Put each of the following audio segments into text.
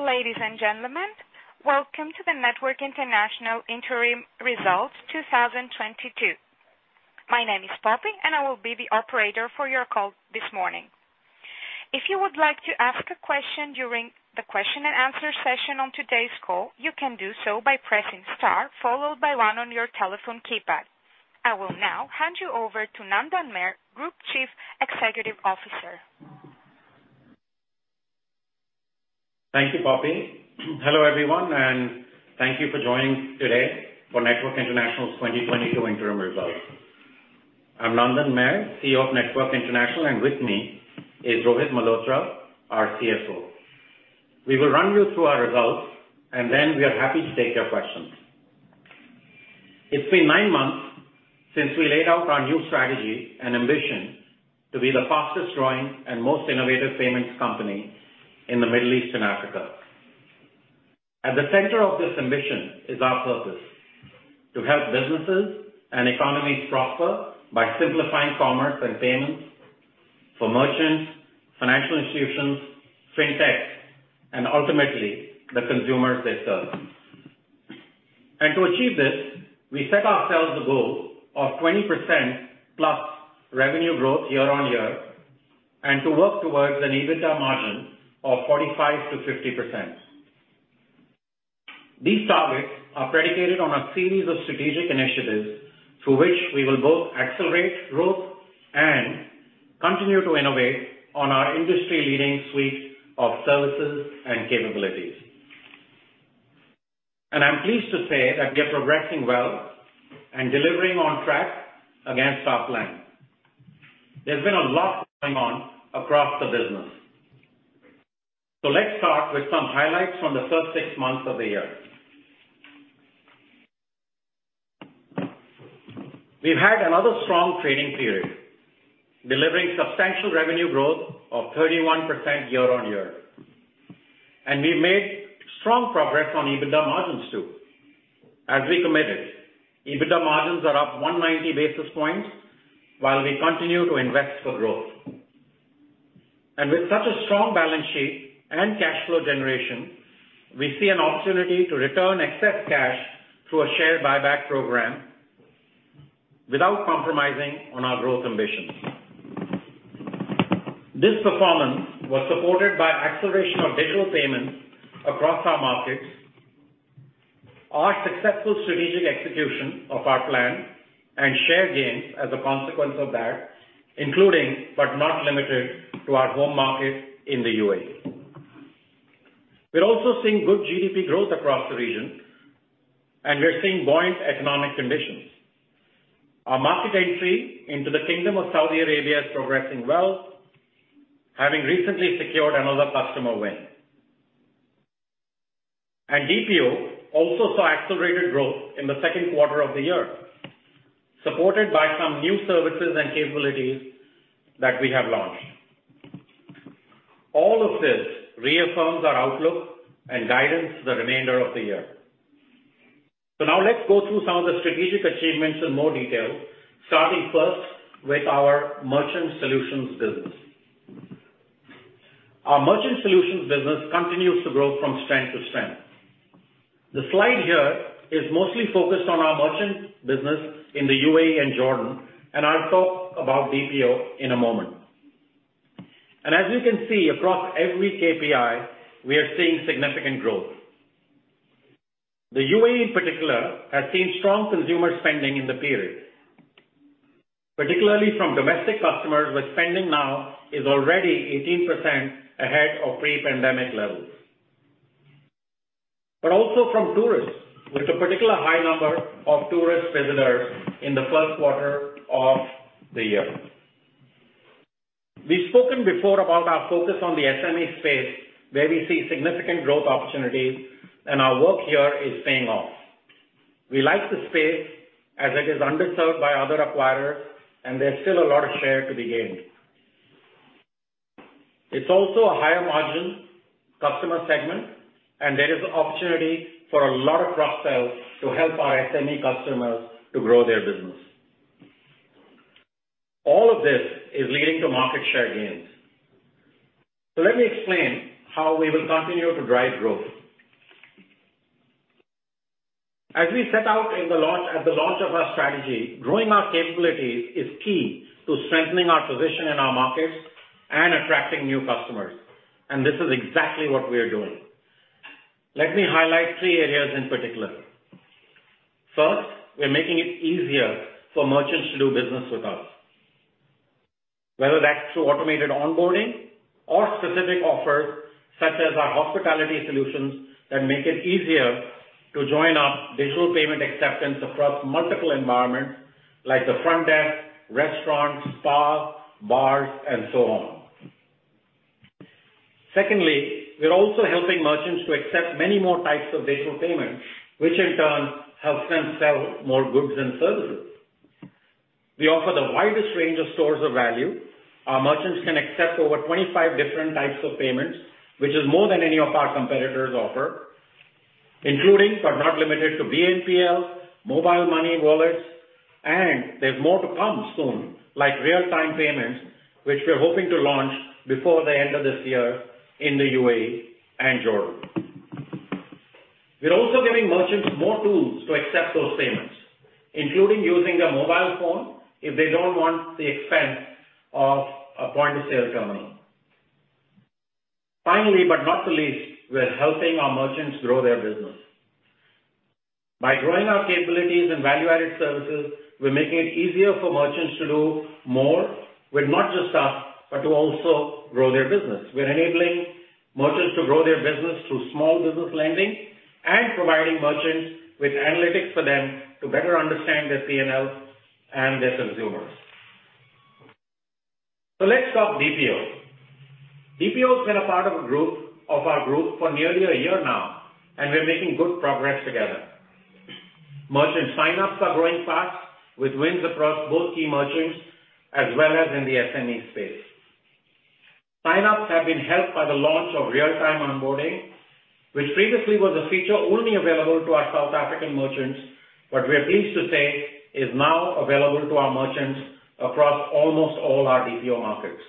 Ladies and gentlemen, welcome to the Network International interim results 2022. My name is Poppy, and I will be the operator for your call this morning. If you would like to ask a question during the question and answer session on today's call, you can do so by pressing star followed by one on your telephone keypad. I will now hand you over to Nandan Mer, Group Chief Executive Officer. Thank you, Poppy. Hello, everyone, and thank you for joining today for Network International's 2022 interim results. I'm Nandan Mer, CEO of Network International, and with me is Rohit Malhotra, our CFO. We will run you through our results, and then we are happy to take your questions. It's been nine months since we laid out our new strategy and ambition to be the fastest-growing and most innovative payments company in the Middle East and Africa. At the center of this ambition is our purpose, to help businesses and economies prosper by simplifying commerce and payments for merchants, financial institutions, fintech, and ultimately the consumers they serve. To achieve this, we set ourselves the goal of 20%+ revenue growth year-on-year and to work towards an EBITDA margin of 45%-50%. These targets are predicated on a series of strategic initiatives through which we will both accelerate growth and continue to innovate on our industry-leading suite of services and capabilities. I'm pleased to say that we are progressing well and delivering on track against our plan. There's been a lot going on across the business. Let's start with some highlights from the first six months of the year. We've had another strong trading period, delivering substantial revenue growth of 31% year-on-year, and we've made strong progress on EBITDA margins too. As we committed, EBITDA margins are up 190 basis points while we continue to invest for growth. With such a strong balance sheet and cash flow generation, we see an opportunity to return excess cash through a share buyback program without compromising on our growth ambitions. This performance was supported by acceleration of digital payments across our markets, our successful strategic execution of our plan, and share gains as a consequence of that, including, but not limited to our home market in the UAE. We're also seeing good GDP growth across the region, and we're seeing buoyant economic conditions. Our market entry into the Kingdom of Saudi Arabia is progressing well, having recently secured another customer win. DPO also saw accelerated growth in the second quarter of the year, supported by some new services and capabilities that we have launched. All of this reaffirms our outlook and guidance for the remainder of the year. Now let's go through some of the strategic achievements in more detail, starting first with our Merchant Solutions business. Our Merchant Solutions business continues to grow from strength to strength. The slide here is mostly focused on our merchant business in the UAE and Jordan, and I'll talk about DPO in a moment. As you can see, across every KPI, we are seeing significant growth. The UAE in particular has seen strong consumer spending in the period, particularly from domestic customers where spending now is already 18% ahead of pre-pandemic levels. Also from tourists, with a particularly high number of tourist visitors in the first quarter of the year. We've spoken before about our focus on the SME space where we see significant growth opportunities, and our work here is paying off. We like the space as it is underserved by other acquirers, and there's still a lot of share to be gained. It's also a higher margin customer segment, and there is opportunity for a lot of cross-sells to help our SME customers to grow their business. All of this is leading to market share gains. Let me explain how we will continue to drive growth. As we set out at the launch of our strategy, growing our capabilities is key to strengthening our position in our markets and attracting new customers, and this is exactly what we are doing. Let me highlight three areas in particular. First, we're making it easier for merchants to do business with us, whether that's through automated onboarding or specific offers such as our hospitality solutions that make it easier to join up digital payment acceptance across multiple environments like the front desk, restaurants, spas, bars, and so on. Secondly, we're also helping merchants to accept many more types of digital payments, which in turn helps them sell more goods and services. We offer the widest range of stores of value. Our merchants can accept over 25 different types of payments, which is more than any of our competitors offer. Including but not limited to BNPL, mobile money wallets, and there's more to come soon, like real-time payments, which we're hoping to launch before the end of this year in the UAE and Jordan. We're also giving merchants more tools to accept those payments, including using their mobile phone if they don't want the expense of a point-of-sale terminal. Finally, last but not the least, we're helping our merchants grow their business. By growing our capabilities and value-added services, we're making it easier for merchants to do more with not just us, but to also grow their business. We're enabling merchants to grow their business through small business lending and providing merchants with analytics for them to better understand their P&L and their consumers. Let's talk DPO. DPO has been a part of our group for nearly a year now, and we're making good progress together. Merchant sign-ups are growing fast with wins across both key merchants as well as in the SME space. Sign-ups have been helped by the launch of real-time onboarding, which previously was a feature only available to our South African merchants, but we are pleased to say is now available to our merchants across almost all our DPO markets.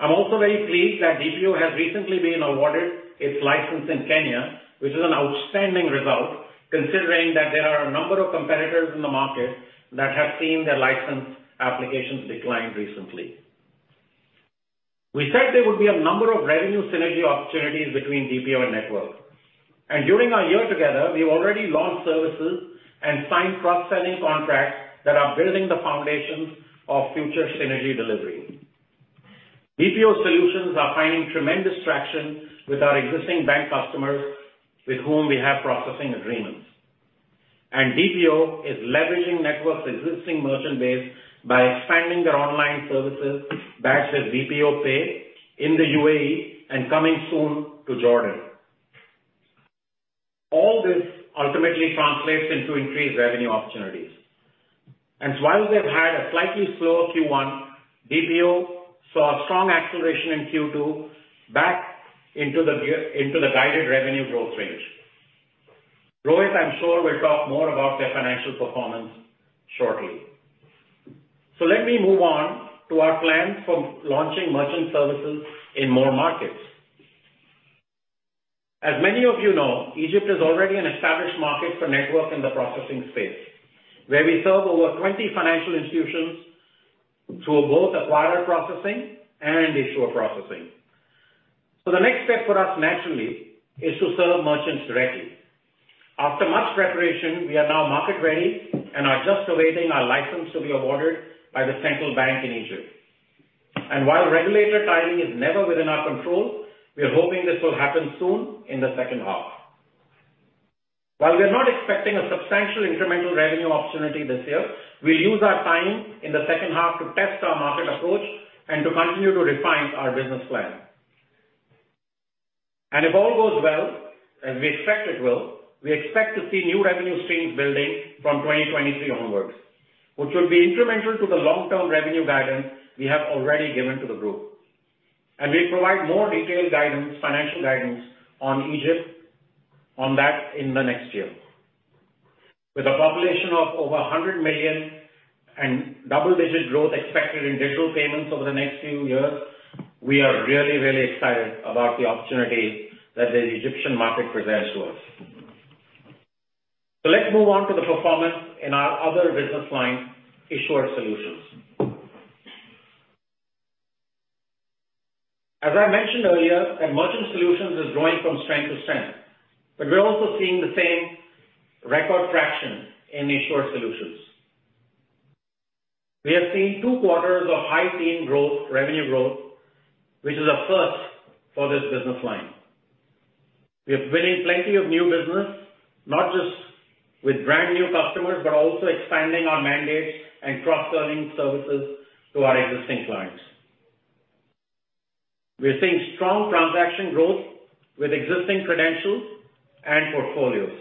I'm also very pleased that DPO has recently been awarded its license in Kenya, which is an outstanding result considering that there are a number of competitors in the market that have seen their license applications declined recently. We said there would be a number of revenue synergy opportunities between DPO and Network. During our year together, we've already launched services and signed cross-selling contracts that are building the foundations of future synergy delivery. DPO solutions are finding tremendous traction with our existing bank customers with whom we have processing agreements. DPO is leveraging Network's existing merchant base by expanding their online services backed with DPO Pay in the UAE and coming soon to Jordan. All this ultimately translates into increased revenue opportunities. While they've had a slightly slower Q1, DPO saw strong acceleration in Q2 back into the guided revenue growth range. Rohit, I'm sure, will talk more about their financial performance shortly. Let me move on to our plans for launching merchant services in more markets. As many of you know, Egypt is already an established market for Network in the processing space, where we serve over 20 financial institutions through both acquirer processing and issuer processing. The next step for us naturally is to serve merchants directly. After much preparation, we are now market-ready and are just awaiting our license to be awarded by the Central Bank of Egypt. While regulator timing is never within our control, we are hoping this will happen soon in the second half. While we are not expecting a substantial incremental revenue opportunity this year, we'll use our time in the second half to test our market approach and to continue to refine our business plan. If all goes well, as we expect it will, we expect to see new revenue streams building from 2023 onwards, which will be incremental to the long-term revenue guidance we have already given to the group. We'll provide more detailed guidance, financial guidance on that in Egypt in the next year. With a population of over 100 million and double-digit growth expected in digital payments over the next few years, we are really, really excited about the opportunity that the Egyptian market presents to us. Let's move on to the performance in our other business line, Issuer Solutions. As I mentioned earlier, our Merchant Solutions is growing from strength to strength, but we're also seeing the same record traction in Issuer Solutions. We have seen two quarters of high-teens growth, revenue growth, which is a first for this business line. We are winning plenty of new business, not just with brand-new customers, but also expanding our mandates and cross-selling services to our existing clients. We're seeing strong transaction growth with existing credentials and portfolios.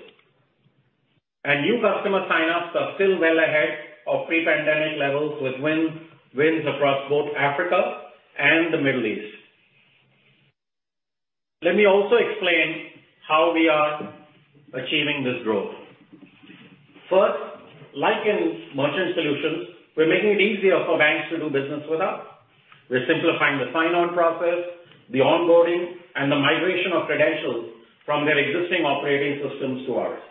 New customer sign-ups are still well ahead of pre-pandemic levels with wins across both Africa and the Middle East. Let me also explain how we are achieving this growth. First, like in Merchant Solutions, we're making it easier for banks to do business with us. We're simplifying the sign-on process, the onboarding, and the migration of credentials from their existing operating systems to ours.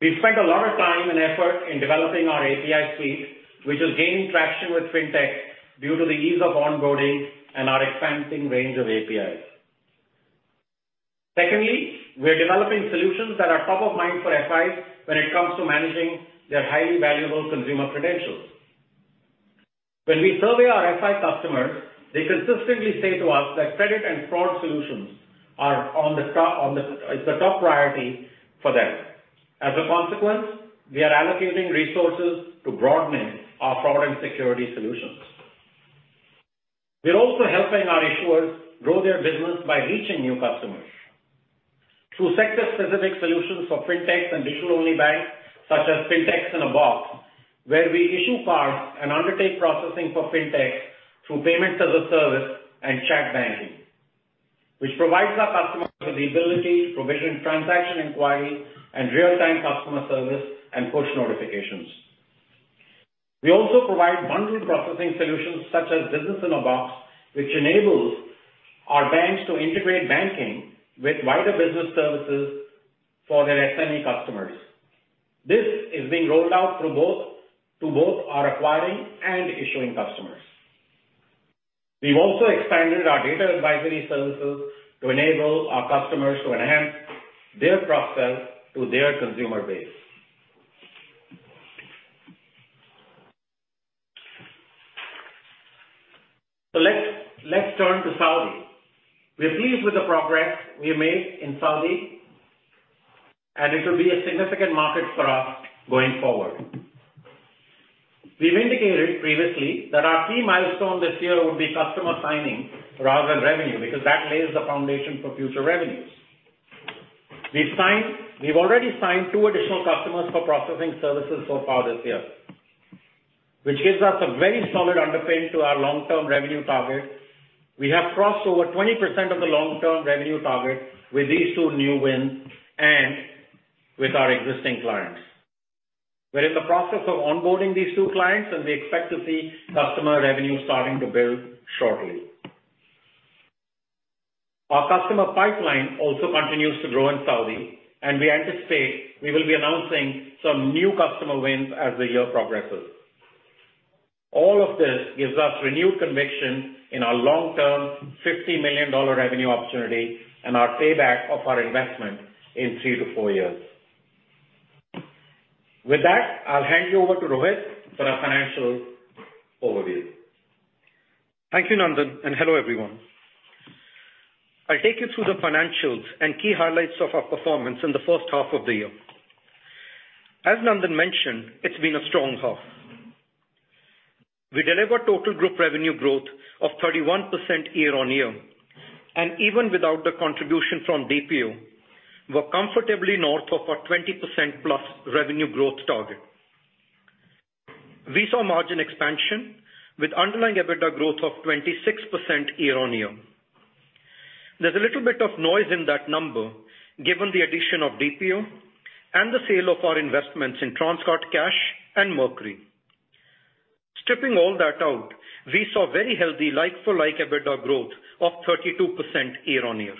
We've spent a lot of time and effort in developing our API suite, which is gaining traction with fintech due to the ease of onboarding and our expanding range of APIs. Secondly, we're developing solutions that are top of mind for FIs when it comes to managing their highly valuable consumer credentials. When we survey our FI customers, they consistently say to us that credit and fraud solutions are the top priority for them. As a consequence, we are allocating resources to broaden our fraud and security solutions. We're also helping our issuers grow their business by reaching new customers. Through sector specific solutions for fintechs and digital-only banks, such as Fintech in a Box, where we issue cards and undertake processing for Fintech through Payment as a Service and chat banking, which provides our customers with the ability, provision transaction inquiry and real-time customer service and push notifications. We also provide bundled processing solutions such as Business in a Box, which enables our banks to integrate banking with wider business services for their SME customers. This is being rolled out through both, to both our acquiring and issuing customers. We've also expanded our data advisory services to enable our customers to enhance their access to their consumer base. Let's turn to Saudi. We are pleased with the progress we have made in Saudi, and it will be a significant market for us going forward. We've indicated previously that our key milestone this year would be customer signing rather than revenue, because that lays the foundation for future revenues. We've already signed two additional customers for processing services so far this year, which gives us a very solid underpin to our long-term revenue target. We have crossed over 20% of the long-term revenue target with these two new wins and with our existing clients. We're in the process of onboarding these two clients, and we expect to see customer revenue starting to build shortly. Our customer pipeline also continues to grow in Saudi, and we anticipate we will be announcing some new customer wins as the year progresses. All of this gives us renewed conviction in our long-term $50 million revenue opportunity and our payback of our investment in three to four years. With that, I'll hand you over to Rohit for our financial overview. Thank you, Nandan, and hello everyone. I'll take you through the financials and key highlights of our performance in the first half of the year. As Nandan mentioned, it's been a strong half. We delivered total group revenue growth of 31% year-over-year, and even without the contribution from DPO, we're comfortably north of our 20%+ revenue growth target. We saw margin expansion with underlying EBITDA growth of 26% year-over-year. There's a little bit of noise in that number, given the addition of DPO and the sale of our investments in Transguard Cash and Mercury. Stripping all that out, we saw very healthy like-for-like EBITDA growth of 32% year-over-year.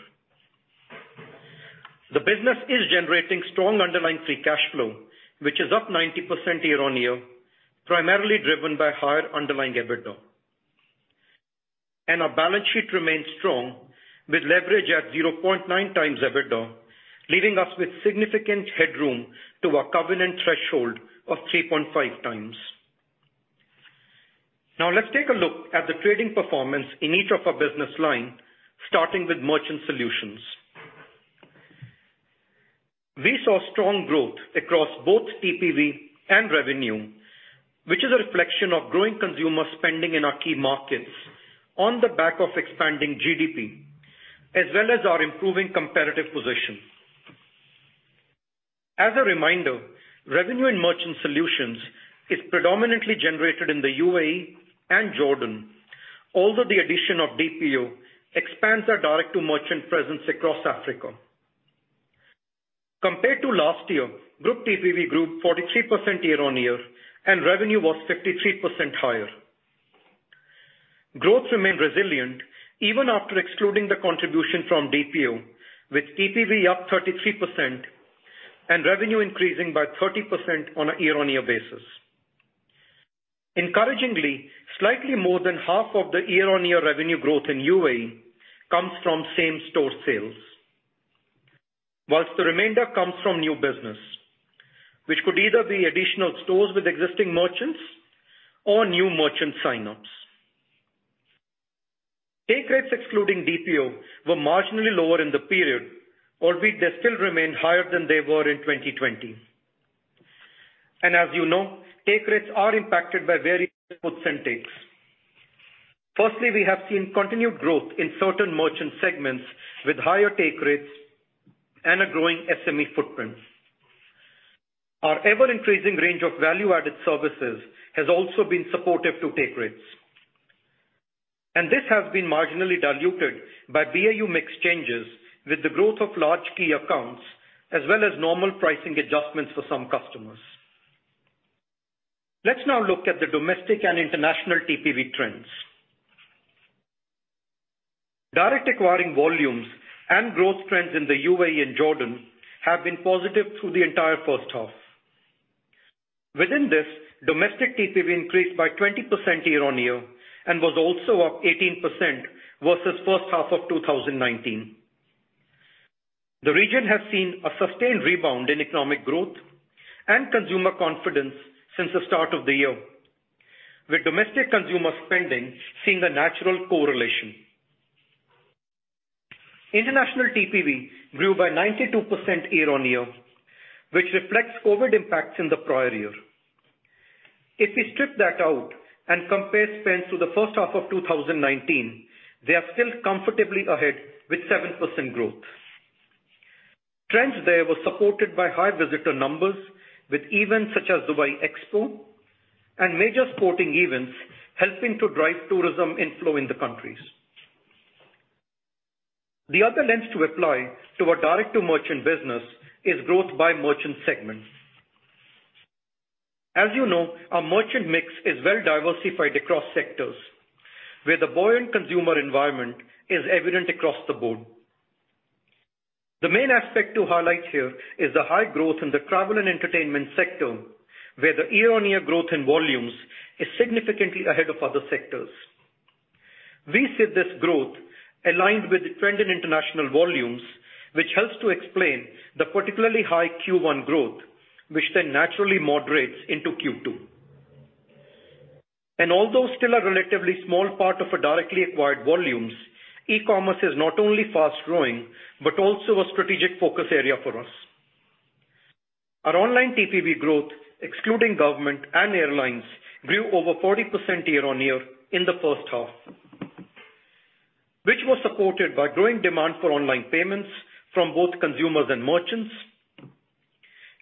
The business is generating strong underlying free cash flow, which is up 90% year-over-year, primarily driven by higher underlying EBITDA. Our balance sheet remains strong, with leverage at 0.9x EBITDA, leaving us with significant headroom to our covenant threshold of 3.5x. Now, let's take a look at the trading performance in each of our business line, starting with Merchant Solutions. We saw strong growth across both TPV and revenue, which is a reflection of growing consumer spending in our key markets on the back of expanding GDP, as well as our improving competitive position. As a reminder, revenue in Merchant Solutions is predominantly generated in the UAE and Jordan, although the addition of DPO expands our direct-to-merchant presence across Africa. Compared to last year, group TPV grew 43% year-over-year and revenue was 53% higher. Growth remained resilient even after excluding the contribution from DPO, with TPV up 33% and revenue increasing by 30% on a year-over-year basis. Encouragingly, slightly more than half of the year-over-year revenue growth in UAE comes from same-store sales, while the remainder comes from new business, which could either be additional stores with existing merchants or new merchant sign-ups. Take rates excluding DPO were marginally lower in the period, albeit they still remain higher than they were in 2020. As you know, take rates are impacted by various puts and takes. Firstly, we have seen continued growth in certain merchant segments with higher take rates and a growing SME footprint. Our ever-increasing range of value-added services has also been supportive to take rates, and this has been marginally diluted by BAU mix changes with the growth of large key accounts as well as normal pricing adjustments for some customers. Let's now look at the domestic and international TPV trends. Direct acquiring volumes and growth trends in the UAE and Jordan have been positive through the entire first half. Within this, domestic TPV increased by 20% year-on-year and was also up 18% versus first half of 2019. The region has seen a sustained rebound in economic growth and consumer confidence since the start of the year, with domestic consumer spending seeing the natural correlation. International TPV grew by 92% year-on-year, which reflects COVID impacts in the prior year. If we strip that out and compare spends to the first half of 2019, they are still comfortably ahead with 7% growth. Trends there were supported by high visitor numbers with events such as Dubai Expo and major sporting events helping to drive tourism inflow in the countries. The other lens to apply to our direct-to-merchant business is growth by merchant segments. As you know, our merchant mix is well diversified across sectors, where the buoyant consumer environment is evident across the board. The main aspect to highlight here is the high growth in the travel and entertainment sector, where the year-on-year growth in volumes is significantly ahead of other sectors. We see this growth aligned with the trend in international volumes, which helps to explain the particularly high Q1 growth, which then naturally moderates into Q2. Although still a relatively small part of our directly acquired volumes, e-commerce is not only fast-growing, but also a strategic focus area for us. Our online TPV growth, excluding government and airlines, grew over 40% year-on-year in the first half, which was supported by growing demand for online payments from both consumers and merchants,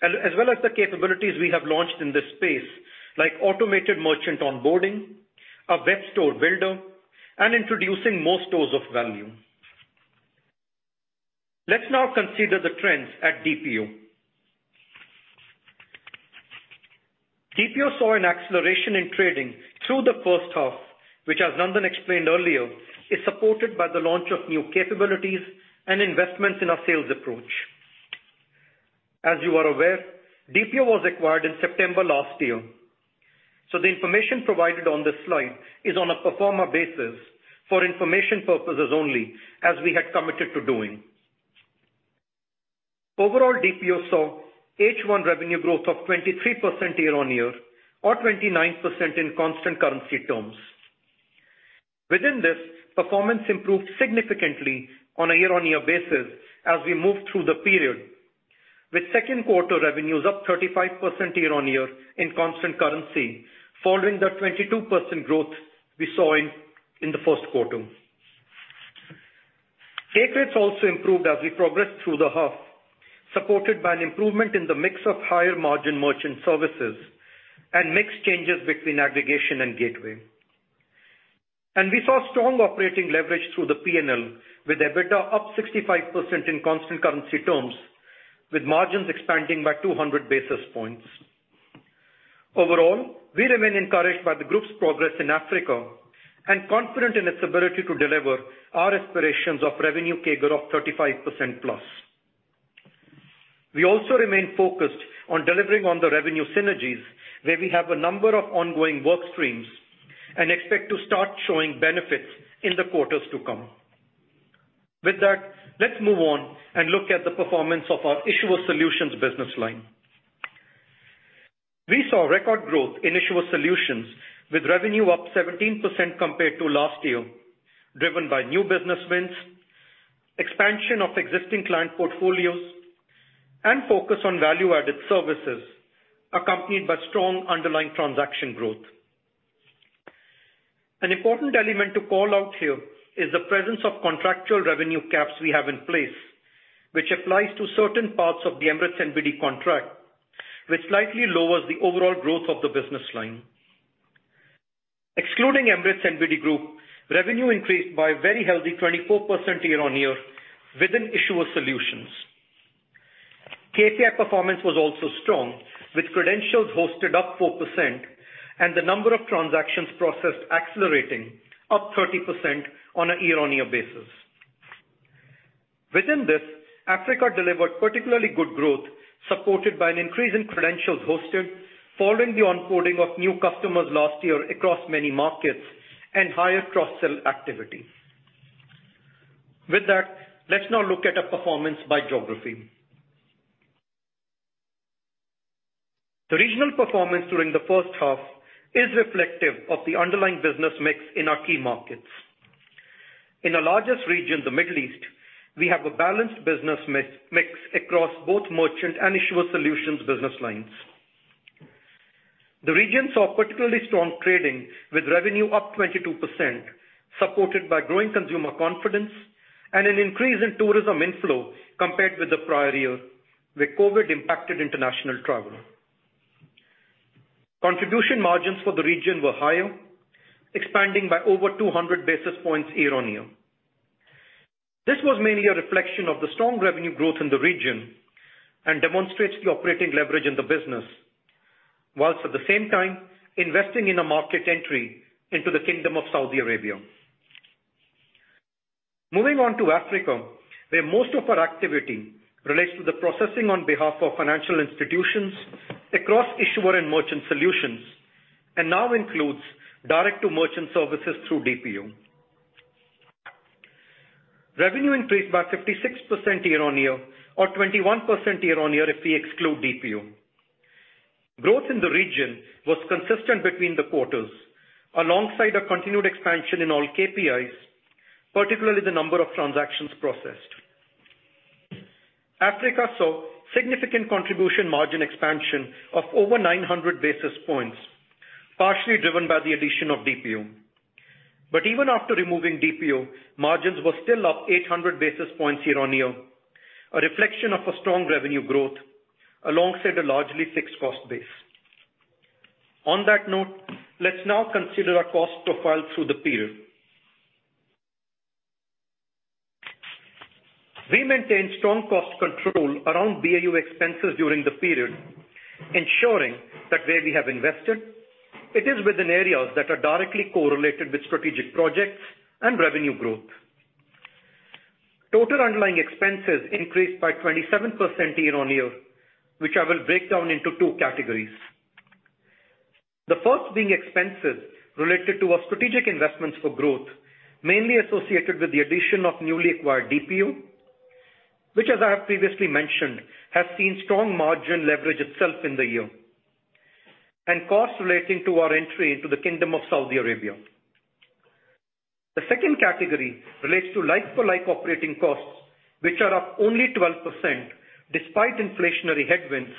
as well as the capabilities we have launched in this space, like automated merchant onboarding, a web store builder, and introducing more stores of value. Let's now consider the trends at DPO. DPO saw an acceleration in trading through the first half, which, as Nandan explained earlier, is supported by the launch of new capabilities and investments in our sales approach. As you are aware, DPO was acquired in September last year, so the information provided on this slide is on a pro forma basis for information purposes only, as we had committed to doing. Overall, DPO saw H1 revenue growth of 23% year-on-year or 29% in constant currency terms. Within this, performance improved significantly on a year-over-year basis as we moved through the period, with second quarter revenues up 35% year-over-year in constant currency, following the 22% growth we saw in the first quarter. Take rates also improved as we progressed through the half, supported by an improvement in the mix of higher margin merchant services and mix changes between aggregation and gateway. We saw strong operating leverage through the P&L, with EBITDA up 65% in constant currency terms, with margins expanding by 200 basis points. Overall, we remain encouraged by the group's progress in Africa and confident in its ability to deliver our aspirations of revenue CAGR of 35%+. We also remain focused on delivering on the revenue synergies, where we have a number of ongoing work streams and expect to start showing benefits in the quarters to come. With that, let's move on and look at the performance of our Issuer Solutions business line. We saw record growth in Issuer Solutions with revenue up 17% compared to last year, driven by new business wins, expansion of existing client portfolios, and focus on value-added services, accompanied by strong underlying transaction growth. An important element to call out here is the presence of contractual revenue caps we have in place, which apply to certain parts of the Emirates NBD contract, which slightly lowers the overall growth of the business line. Excluding Emirates NBD Group, revenue increased by a very healthy 24% year-on-year within Issuer Solutions. KPI performance was also strong, with credentials hosted up 4% and the number of transactions processed accelerating up 30% on a year-on-year basis. Within this, Africa delivered particularly good growth, supported by an increase in credentials hosted following the onboarding of new customers last year across many markets and higher cross-sell activity. With that, let's now look at our performance by geography. The regional performance during the first half is reflective of the underlying business mix in our key markets. In the largest region, the Middle East, we have a balanced business mix across both Merchant Solutions and Issuer Solutions business lines. The region saw particularly strong trading with revenue up 22%, supported by growing consumer confidence and an increase in tourism inflow compared with the prior year, where COVID impacted international travel. Contribution margins for the region were higher, expanding by over 200 basis points year-on-year. This was mainly a reflection of the strong revenue growth in the region and demonstrates the operating leverage in the business, while at the same time investing in a market entry into the Kingdom of Saudi Arabia. Moving on to Africa, where most of our activity relates to the processing on behalf of financial institutions across Issuer Solutions and Merchant Solutions and now includes direct-to-merchant services through DPO. Revenue increased by 56% year-on-year or 21% year-on-year if we exclude DPO. Growth in the region was consistent between the quarters alongside a continued expansion in all KPIs, particularly the number of transactions processed. Africa saw significant contribution margin expansion of over 900 basis points, partially driven by the addition of DPO. Even after removing DPO, margins were still up 800 basis points year-on-year, a reflection of a strong revenue growth alongside a largely fixed cost base. On that note, let's now consider our cost profile through the period. We maintained strong cost control around BAU expenses during the period, ensuring that where we have invested, it is within areas that are directly correlated with strategic projects and revenue growth. Total underlying expenses increased by 27% year-over-year, which I will break down into two categories. The first being expenses related to our strategic investments for growth, mainly associated with the addition of newly acquired DPO, which as I have previously mentioned, has seen strong margin leverage itself in the year, and costs relating to our entry into the Kingdom of Saudi Arabia. The second category relates to like-for-like operating costs, which are up only 12% despite inflationary headwinds,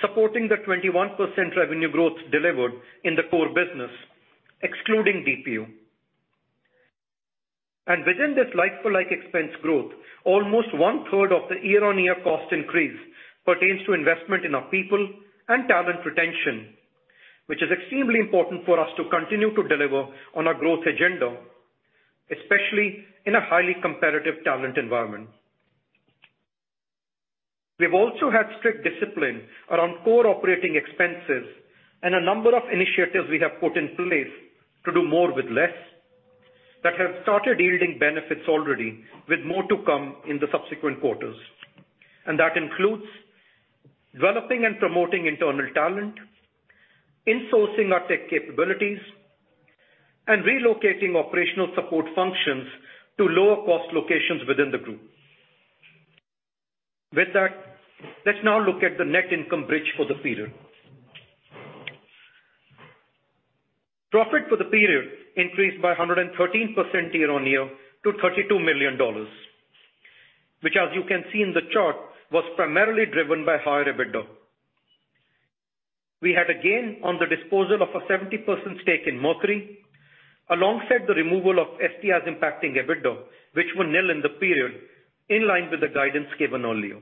supporting the 21% revenue growth delivered in the core business, excluding DPO. Within this like-for-like expense growth, almost one-third of the year-on-year cost increase pertains to investment in our people and talent retention, which is extremely important for us to continue to deliver on our growth agenda, especially in a highly competitive talent environment. We've also had strict discipline around core operating expenses and a number of initiatives we have put in place to do more with less that have started yielding benefits already, with more to come in the subsequent quarters. That includes developing and promoting internal talent, insourcing our tech capabilities, and relocating operational support functions to lower-cost locations within the group. With that, let's now look at the net income bridge for the period. Profit for the period increased by 113% year-on-year to $32 million, which as you can see in the chart, was primarily driven by higher EBITDA. We had a gain on the disposal of a 70% stake in Mercury, alongside the removal of STIs impacting EBITDA, which were nil in the period, in line with the guidance given earlier.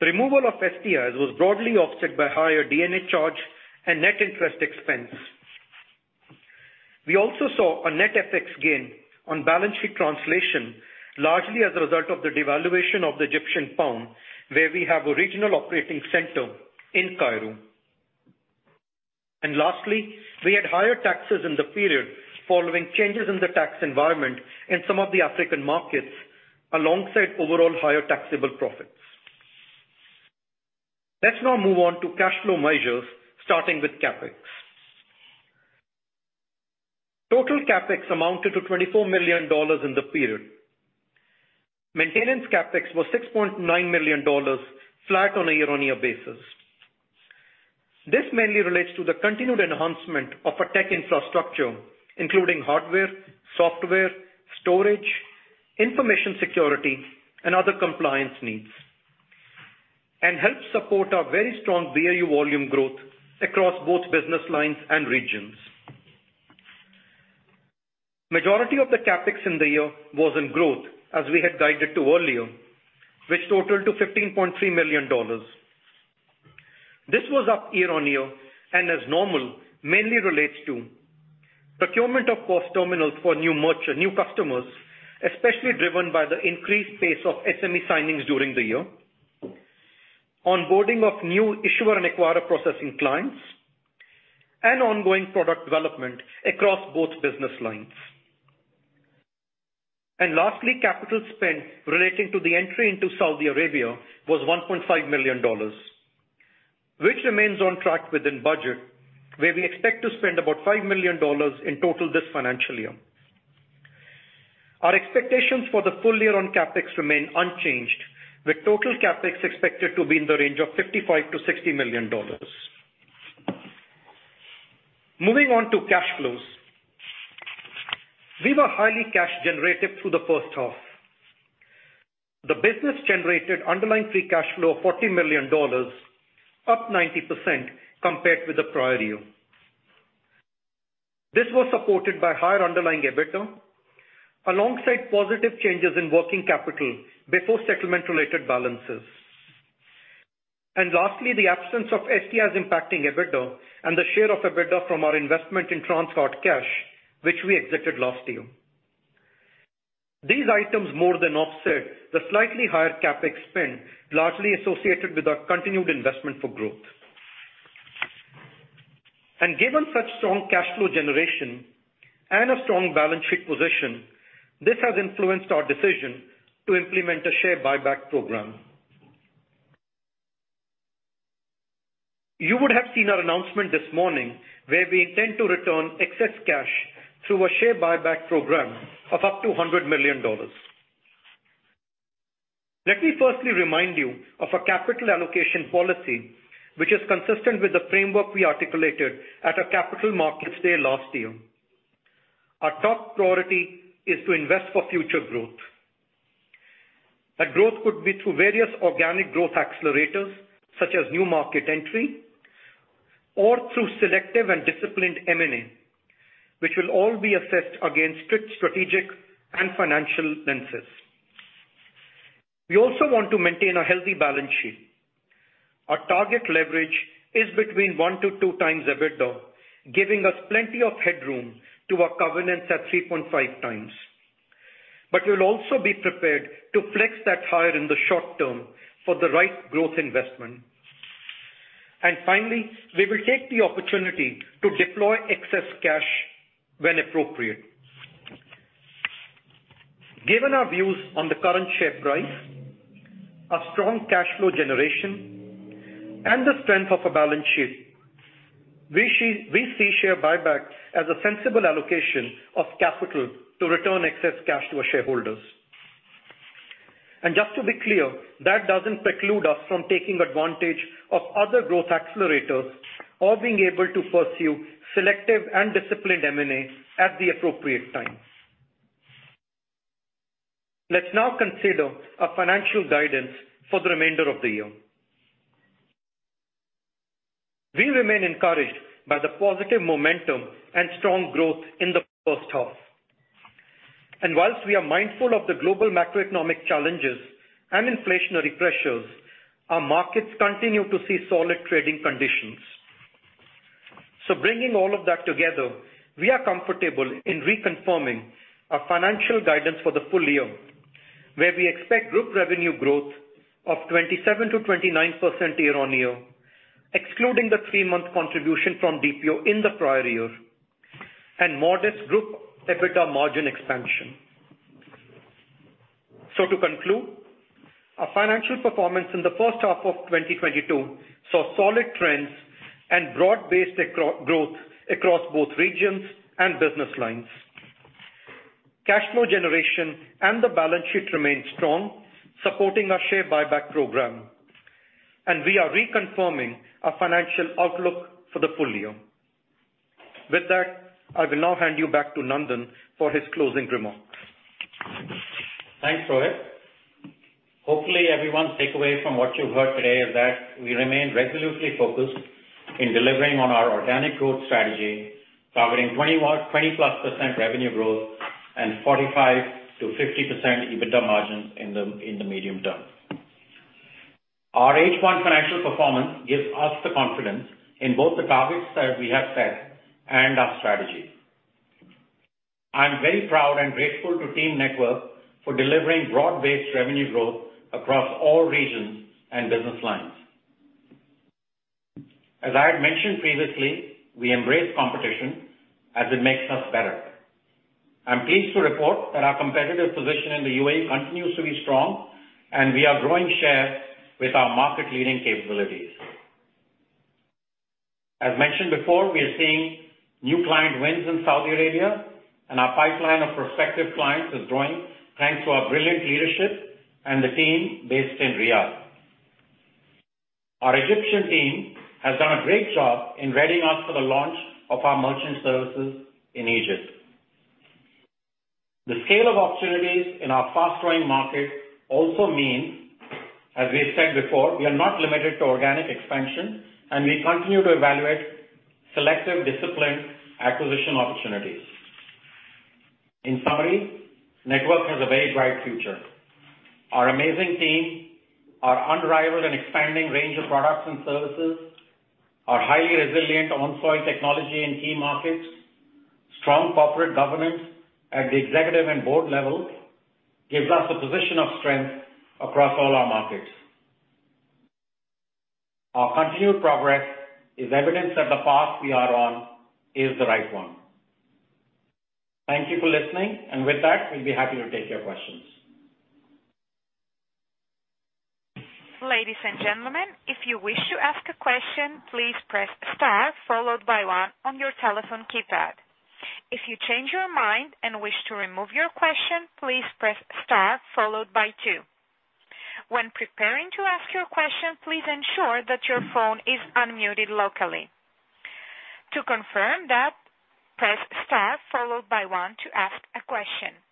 The removal of STIs was broadly offset by higher D&A charge and net interest expense. We also saw a net FX gain on balance sheet translation, largely as a result of the devaluation of the Egyptian pound, where we have a regional operating center in Cairo. Lastly, we had higher taxes in the period following changes in the tax environment in some of the African markets, alongside overall higher taxable profits. Let's now move on to cash flow measures, starting with CapEx. Total CapEx amounted to $24 million in the period. Maintenance CapEx was $6.9 million, flat on a year-on-year basis. This mainly relates to the continued enhancement of our tech infrastructure, including hardware, software, storage, information security, and other compliance needs, and helps support our very strong BAU volume growth across both business lines and regions. Majority of the CapEx in the year was in growth, as we had guided to earlier, which totaled to $15.3 million. This was up year-on-year, and as normal, mainly relates to procurement of POS terminals for new merchant, new customers, especially driven by the increased pace of SME signings during the year, onboarding of new issuer and acquirer processing clients, and ongoing product development across both business lines. Lastly, capital spend relating to the entry into Saudi Arabia was $1.5 million, which remains on track within budget, where we expect to spend about $5 million in total this financial year. Our expectations for the full year on CapEx remain unchanged, with total CapEx expected to be in the range of $55 million-$60 million. Moving on to cash flows. We were highly cash generative through the first half. The business generated underlying free cash flow of $40 million, up 90% compared with the prior year. This was supported by higher underlying EBITDA, alongside positive changes in working capital before settlement-related balances. Lastly, the absence of STIs impacting EBITDA and the share of EBITDA from our investment in Transguard Cash, which we exited last year. These items more than offset the slightly higher CapEx spend, largely associated with our continued investment for growth. Given such strong cash flow generation and a strong balance sheet position, this has influenced our decision to implement a share buyback program. You would have seen our announcement this morning where we intend to return excess cash through a share buyback program of up to $100 million. Let me firstly remind you of a capital allocation policy which is consistent with the framework we articulated at our capital markets day last year. Our top priority is to invest for future growth. That growth could be through various organic growth accelerators such as new market entry or through selective and disciplined M&A, which will all be assessed against strict strategic and financial lenses. We also want to maintain a healthy balance sheet. Our target leverage is between 1x-2x EBITDA, giving us plenty of headroom to our covenants at 3.5x. We'll also be prepared to flex that higher in the short term for the right growth investment. Finally, we will take the opportunity to deploy excess cash when appropriate. Given our views on the current share price, our strong cash flow generation, and the strength of our balance sheet, we see share buyback as a sensible allocation of capital to return excess cash to our shareholders. Just to be clear, that doesn't preclude us from taking advantage of other growth accelerators or being able to pursue selective and disciplined M&A at the appropriate time. Let's now consider our financial guidance for the remainder of the year. We remain encouraged by the positive momentum and strong growth in the first half. Whilst we are mindful of the global macroeconomic challenges and inflationary pressures, our markets continue to see solid trading conditions. Bringing all of that together, we are comfortable in reconfirming our financial guidance for the full year, where we expect group revenue growth of 27%-29% year-on-year, excluding the three-month contribution from DPO in the prior year, and modest group EBITDA margin expansion. To conclude, our financial performance in the first half of 2022 saw solid trends and broad-based across growth across both regions and business lines. Cash flow generation and the balance sheet remain strong, supporting our share buyback program. We are reconfirming our financial outlook for the full year. With that, I will now hand you back to Nandan for his closing remarks. Thanks, Rohit. Hopefully everyone's takeaway from what you've heard today is that we remain resolutely focused in delivering on our organic growth strategy, targeting 20%+ revenue growth and 45%-50% EBITDA margins in the medium term. Our H1 financial performance gives us the confidence in both the targets that we have set and our strategy. I'm very proud and grateful to Team Network for delivering broad-based revenue growth across all regions and business lines. As I had mentioned previously, we embrace competition as it makes us better. I'm pleased to report that our competitive position in the UAE continues to be strong, and we are growing share with our market-leading capabilities. As mentioned before, we are seeing new client wins in Saudi Arabia and our pipeline of prospective clients is growing thanks to our brilliant leadership and the team based in Riyadh. Our Egyptian team has done a great job in readying us for the launch of our merchant services in Egypt. The scale of opportunities in our fast-growing market also means, as we've said before, we are not limited to organic expansion, and we continue to evaluate selective, disciplined acquisition opportunities. In summary, Network has a very bright future. Our amazing team, our unrivaled and expanding range of products and services, our highly resilient on-soil technology in key markets, strong corporate governance at the executive and board level gives us a position of strength across all our markets. Our continued progress is evidence that the path we are on is the right one. Thank you for listening, and with that, we'll be happy to take your questions. Ladies and gentlemen, if you wish to ask a question, please press star followed by one on your telephone keypad. If you change your mind and wish to remove your question, please press star followed by two. When preparing to ask your question, please ensure that your phone is unmuted locally. To confirm that, press star followed by one to ask a question.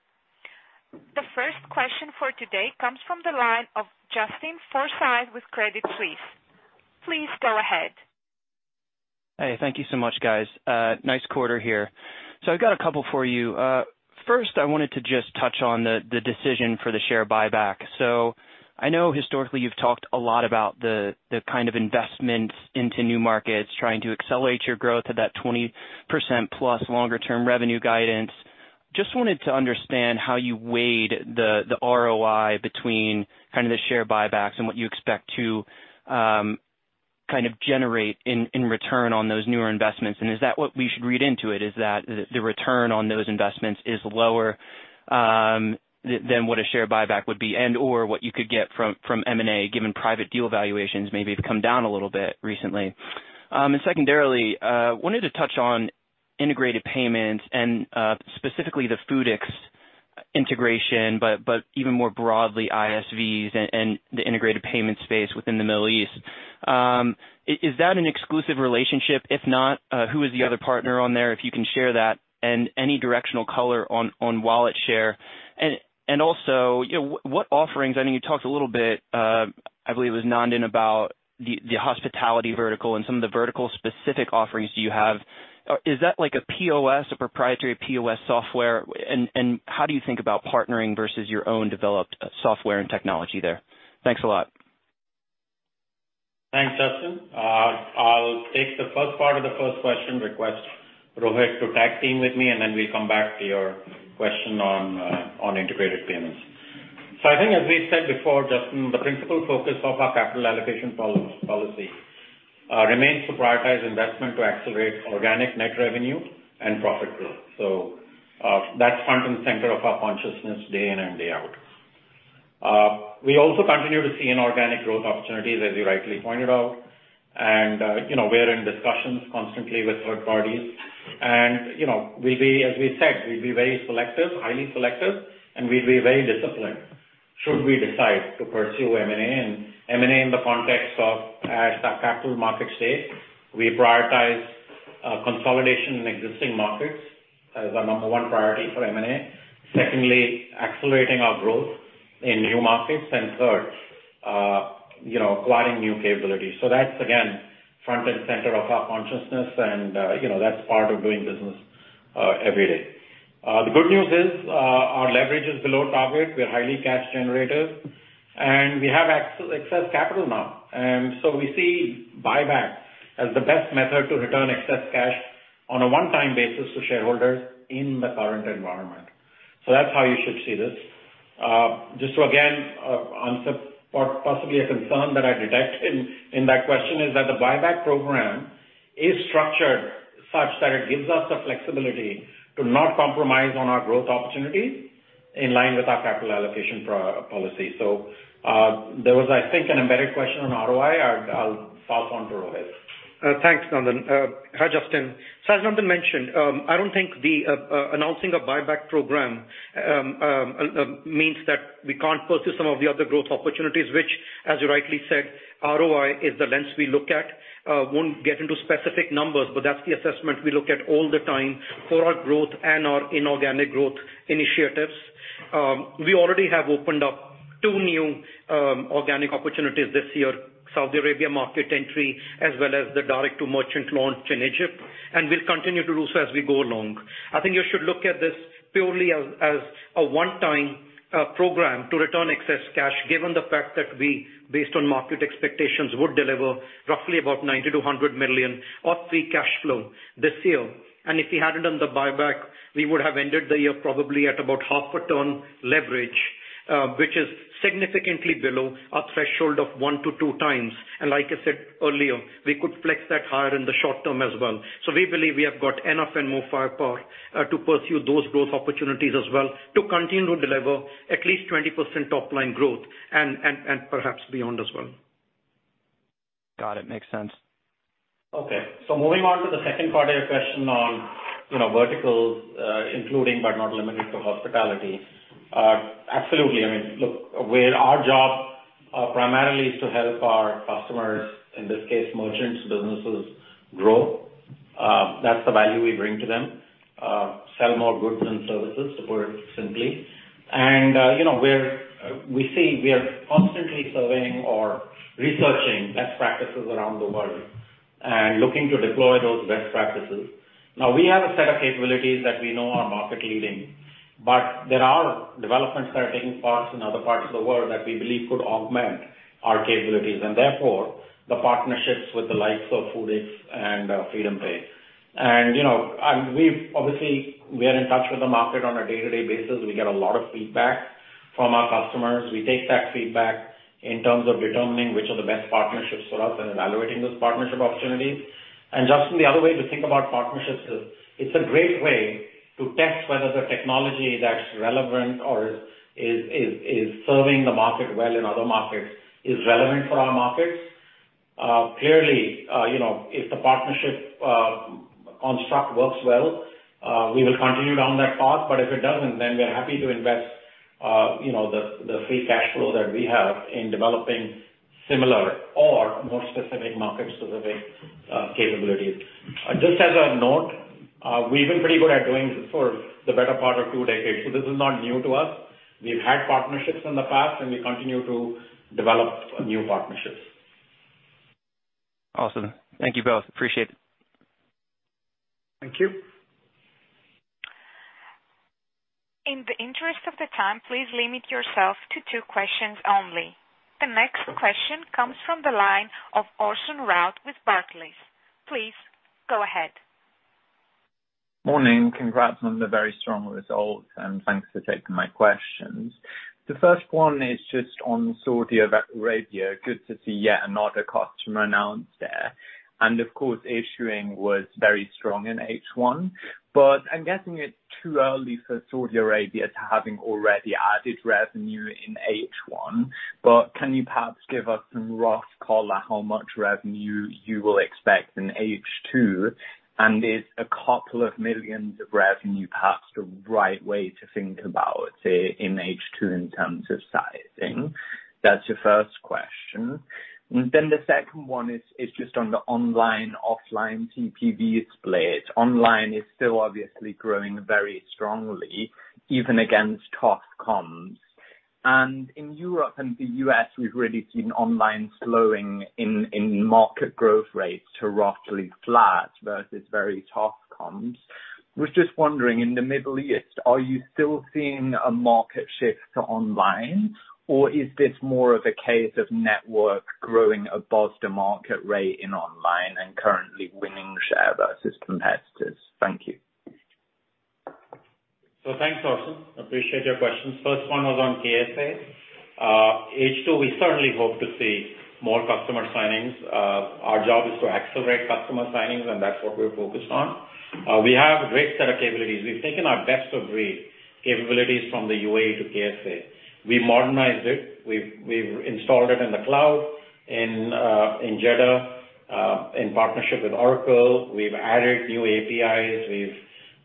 The first question for today comes from the line of Justin Forsythe with Credit Suisse. Please go ahead. Hey, thank you so much, guys. Nice quarter here. I've got a couple for you. First, I wanted to just touch on the decision for the share buyback. I know historically you've talked a lot about the kind of investments into new markets, trying to accelerate your growth at that 20%+ longer-term revenue guidance. Just wanted to understand how you weighed the ROI between kind of the share buybacks and what you expect to kind of generate in return on those newer investments. Is that what we should read into it, is that the return on those investments is lower than what a share buyback would be and/or what you could get from M&A, given private deal valuations maybe have come down a little bit recently? Secondarily, wanted to touch on integrated payments and, specifically, the Foodics integration, but even more broadly, ISVs and the integrated payment space within the Middle East. Is that an exclusive relationship? If not, who is the other partner on there, if you can share that, and any directional color on wallet share. Also, you know, what offerings I know you talked a little bit, I believe it was Nandan Mer about the hospitality vertical and some of the vertical specific offerings you have. Is that like a POS, a proprietary POS software? And how do you think about partnering versus your own developed software and technology there? Thanks a lot. Thanks, Justin. I'll take the first part of the first question, request Rohit to tag team with me, and then we'll come back to your question on integrated payments. I think as we said before, Justin, the principal focus of our capital allocation policy remains to prioritize investment to accelerate organic net revenue and profit growth. That's front and center of our consciousness day in and day out. We also continue to see inorganic growth opportunities, as you rightly pointed out. You know, we're in discussions constantly with third parties. You know, we'll be, as we said, very selective, highly selective, and we'll be very disciplined should we decide to pursue M&A. M&A in the context of, as in the Capital Market Day stated, we prioritize consolidation in existing markets as our number one priority for M&A. Secondly, accelerating our growth in new markets. Third, you know, acquiring new capabilities. That's again, front and center of our consciousness and, you know, that's part of doing business every day. The good news is, our leverage is below target. We're highly cash generative, and we have excess capital now. We see buyback as the best method to return excess cash on a one-time basis to shareholders in the current environment. That's how you should see this. Just to again answer possibly a concern that I detect in that question is that the buyback program is structured such that it gives us the flexibility to not compromise on our growth opportunities in line with our capital allocation policy. There was, I think, an embedded question on ROI. I'll pass on to Rohit. Thanks, Nandan. Hi, Justin. As Nandan mentioned, I don't think announcing a buyback program means that we can't pursue some of the other growth opportunities, which, as you rightly said, ROI is the lens we look at. I won't get into specific numbers, but that's the assessment we look at all the time for our growth and our inorganic growth initiatives. We already have opened up two new organic opportunities this year, Saudi Arabia market entry, as well as the direct-to-merchant launch in Egypt, and we'll continue to do so as we go along. I think you should look at this purely as a one-time program to return excess cash, given the fact that we, based on market expectations, would deliver roughly about $90 million-$100 million of free cash flow this year. If we hadn't done the buyback, we would have ended the year probably at about half a turn leverage, which is significantly below our threshold of 1x-2x. Like I said earlier, we could flex that higher in the short term as well. We believe we have got enough and more firepower to pursue those growth opportunities as well, to continue to deliver at least 20% top line growth and perhaps beyond as well. Got it. Makes sense. Okay. Moving on to the second part of your question on, you know, verticals, including but not limited to hospitality. Absolutely. I mean, look, our job primarily is to help our customers, in this case, merchants, businesses grow. That's the value we bring to them. Sell more goods and services, to put it simply. You know, we are constantly surveying or researching best practices around the world and looking to deploy those best practices. Now, we have a set of capabilities that we know are market leading, but there are developments that are taking place in other parts of the world that we believe could augment our capabilities and therefore the partnerships with the likes of Foodics and FreedomPay. You know, we've obviously we are in touch with the market on a day-to-day basis. We get a lot of feedback from our customers. We take that feedback in terms of determining which are the best partnerships for us and evaluating those partnership opportunities. Justin, the other way to think about partnerships is it's a great way to test whether the technology that's relevant or is serving the market well in other markets is relevant for our markets. Clearly, you know, if the partnership construct works well, we will continue down that path, but if it doesn't, then we're happy to invest, you know, the free cash flow that we have in developing similar or more specific market-specific capabilities. Just as a note, we've been pretty good at doing this for the better part of two decades, so this is not new to us. We've had partnerships in the past, and we continue to develop new partnerships. Awesome. Thank you both. Appreciate it. Thank you. In the interest of time, please limit yourself to two questions only. The next question comes from the line of Orson Rout with Barclays. Please go ahead. Morning. Congrats on the very strong results, and thanks for taking my questions. The first one is just on Saudi Arabia. Good to see yet another customer announced there. Of course, issuing was very strong in H1, but I'm guessing it's too early for Saudi Arabia to having already added revenue in H1. Can you perhaps give us some rough color how much revenue you will expect in H2? Is a couple of millions of revenue perhaps the right way to think about, say, in H2 in terms of sizing? That's your first question. Then the second one is just on the online offline TPV split. Online is still obviously growing very strongly, even against tough comps. In Europe and the U.S., we've really seen online slowing in market growth rates to roughly flat versus very tough comps. Was just wondering, in the Middle East, are you still seeing a market shift to online, or is this more of a case of Network growing above the market rate in online and currently winning share versus competitors? Thank you. Thanks, Orson. Appreciate your questions. First one was on KSA. H2, we certainly hope to see more customer signings. Our job is to accelerate customer signings, and that's what we're focused on. We have a great set of capabilities. We've taken our best-of-breed capabilities from the UAE to KSA. We modernized it. We've installed it in the cloud in Jeddah, in partnership with Oracle. We've added new APIs.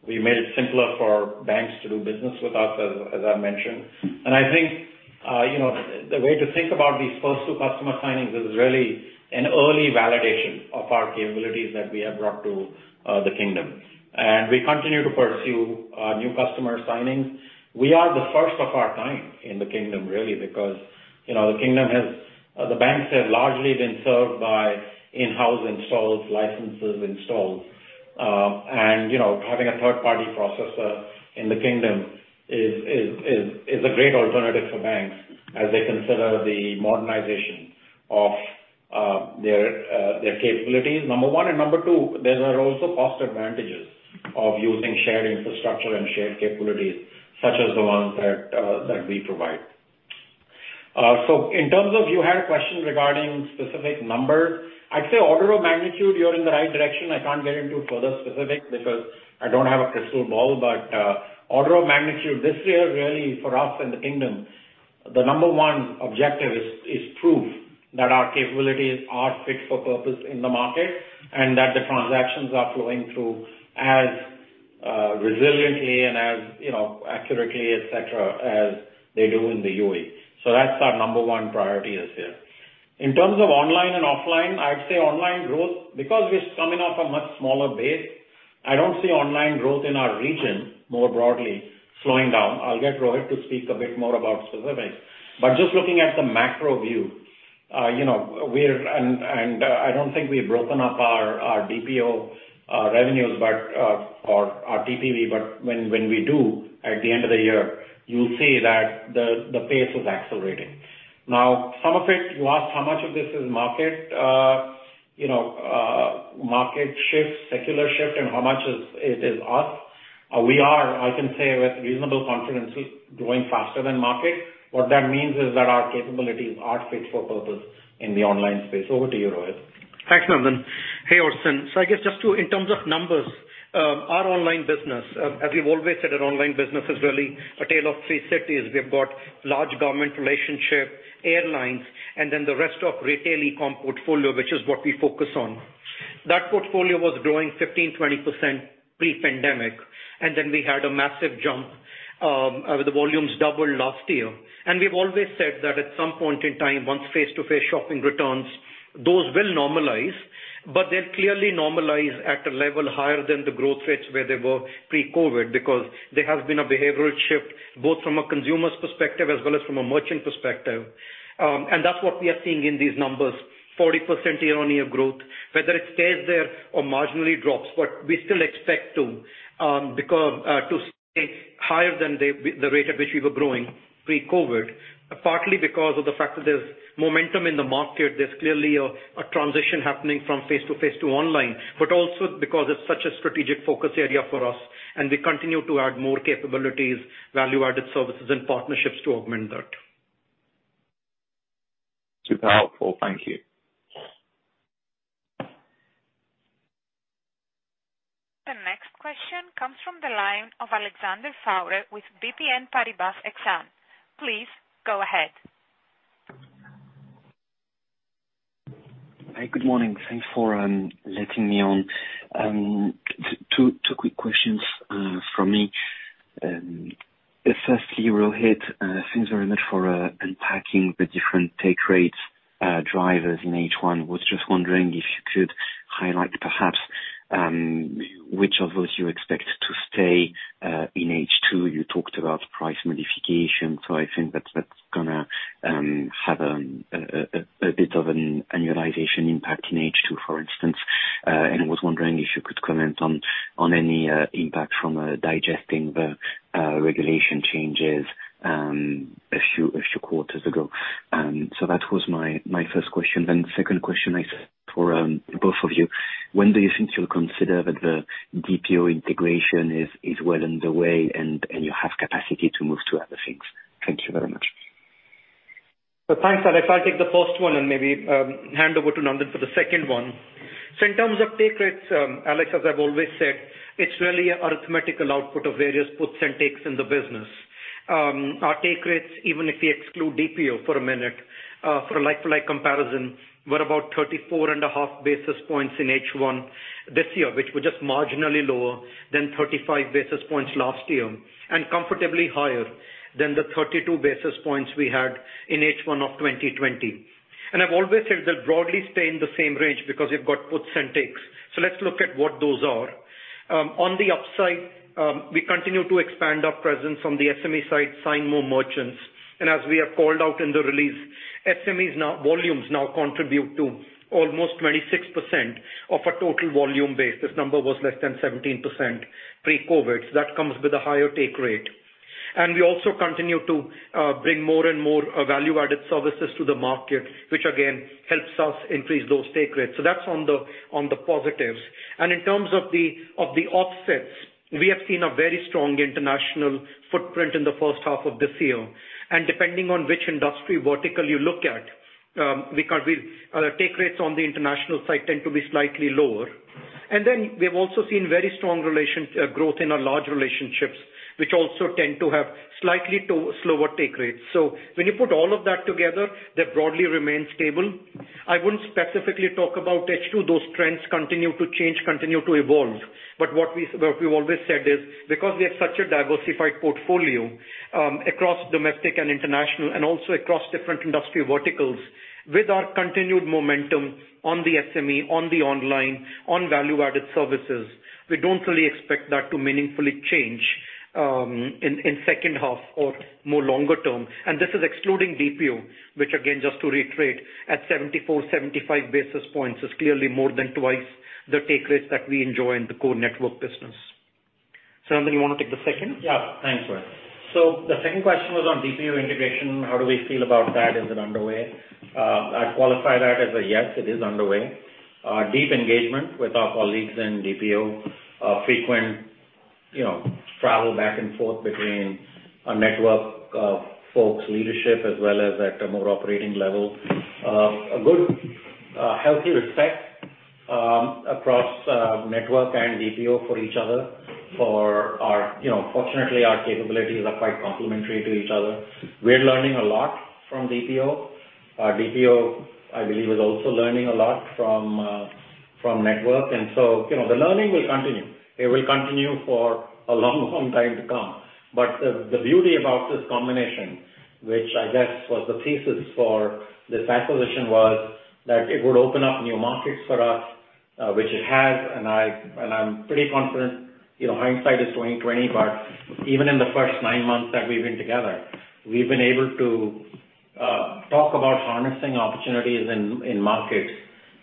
We made it simpler for banks to do business with us, as I mentioned. I think, you know, the way to think about these first two customer signings is really an early validation of our capabilities that we have brought to the kingdom. We continue to pursue new customer signings. We are the first of our kind in the kingdom, really, because, you know, the banks have largely been served by in-house installs, licenses installed. You know, having a third-party processor in the kingdom is a great alternative for banks as they consider the modernization of their capabilities, number one. Number two, there are also cost advantages of using shared infrastructure and shared capabilities such as the ones that we provide. In terms of you had a question regarding specific numbers, I'd say order of magnitude, you're in the right direction. I can't get into further specific because I don't have a crystal ball. Order of magnitude this year really for us in the kingdom, the number one objective is proof that our capabilities are fit for purpose in the market, and that the transactions are flowing through as resiliently and as, you know, accurately, et cetera, as they do in the UAE. That's our number one priority this year. In terms of online and offline, I'd say online growth, because we're coming off a much smaller base, I don't see online growth in our region more broadly slowing down. I'll get Rohit to speak a bit more about specifics. Just looking at the macro view, you know, I don't think we've broken up our DPO revenues, but or our TPV, but when we do at the end of the year, you'll see that the pace is accelerating. Now, some of it, you asked how much of this is market, you know, market shift, secular shift, and how much is us. We are, I can say with reasonable confidence, growing faster than market. What that means is that our capabilities are fit for purpose in the online space. Over to you, Rohit. Thanks, Nandan. Hey, Orson. In terms of numbers, our online business, as we've always said an online business is really a tale of three cities. We've got large government relationship, airlines, and then the rest of retail e-commerce portfolio, which is what we focus on. That portfolio was growing 15%-20% pre-pandemic, and then we had a massive jump, the volumes doubled last year. We've always said that at some point in time, once face-to-face shopping returns, those will normalize, but they'll clearly normalize at a level higher than the growth rates where they were pre-COVID, because there has been a behavioral shift, both from a consumer's perspective as well as from a merchant perspective. That's what we are seeing in these numbers, 40% year-on-year growth. Whether it stays there or marginally drops, but we still expect to stay higher than the rate at which we were growing pre-COVID, partly because of the fact that there's momentum in the market. There's clearly a transition happening from face-to-face to online, but also because it's such a strategic focus area for us, and we continue to add more capabilities, value-added services, and partnerships to augment that. Super helpful. Thank you. The next question comes from the line of Alexandre Faure with BNP Paribas Exane. Please go ahead. Hi. Good morning. Thanks for letting me on. Two quick questions from me. Firstly, Rohit, thanks very much for unpacking the different take rates drivers in H1. Was just wondering if you could highlight perhaps which of those you expect to stay in H2. You talked about price modification, so I think that's gonna have a bit of an annualization impact in H2, for instance. I was wondering if you could comment on any impact from digesting the regulation changes a few quarters ago. That was my first question. Second question is for both of you. When do you think you'll consider that the DPO integration is well underway and you have capacity to move to other things? Thank you very much. Thanks. I'll take the first one and maybe hand over to Nandan for the second one. In terms of take rates, Alex, as I've always said, it's really a mathematical output of various puts and takes in the business. Our take rates, even if we exclude DPO for a minute, for a like-for-like comparison, were about 34.5 basis points in H1 this year, which were just marginally lower than 35 basis points last year, and comfortably higher than the 32 basis points we had in H1 of 2020. I've always said they'll broadly stay in the same range because you've got puts and takes. Let's look at what those are. On the upside, we continue to expand our presence on the SME side, sign more merchants. As we have called out in the release, SME volumes now contribute to almost 26% of our total volume base. This number was less than 17% pre-COVID. That comes with a higher take rate. We also continue to bring more and more value-added services to the market, which again helps us increase those take rates. That's on the positives. In terms of the offsets, we have seen a very strong international footprint in the first half of this year. Depending on which industry vertical you look at, because our take rates on the international side tend to be slightly lower. Then we have also seen very strong relationship growth in our large relationships, which also tend to have slightly lower take rates. When you put all of that together, that broadly remains stable. I wouldn't specifically talk about H2. Those trends continue to change, continue to evolve. What we've always said is, because we have such a diversified portfolio, across domestic and international and also across different industry verticals, with our continued momentum on the SME, on the online, on value-added services, we don't really expect that to meaningfully change, in second half or more longer term. This is excluding DPO, which again just to reiterate, at 74-75 basis points is clearly more than twice the take rates that we enjoy in the core Network business. Nandan, you wanna take the second? Yeah. Thanks, Rohit. So the second question was on DPO integration. How do we feel about that? Is it underway? I qualify that as a yes, it is underway. Deep engagement with our colleagues in DPO. Frequent, you know, travel back and forth between our Network folks, leadership, as well as at a more operating level. A good, healthy respect across Network and DPO for each other. You know, fortunately, our capabilities are quite complementary to each other. We're learning a lot from DPO. DPO, I believe, is also learning a lot from Network. You know, the learning will continue. It will continue for a long, long time to come. The beauty about this combination, which I guess was the thesis for this acquisition, was that it would open up new markets for us, which it has, and I'm pretty confident, you know, hindsight is 20/20, but even in the first nine months that we've been together, we've been able to talk about harnessing opportunities in markets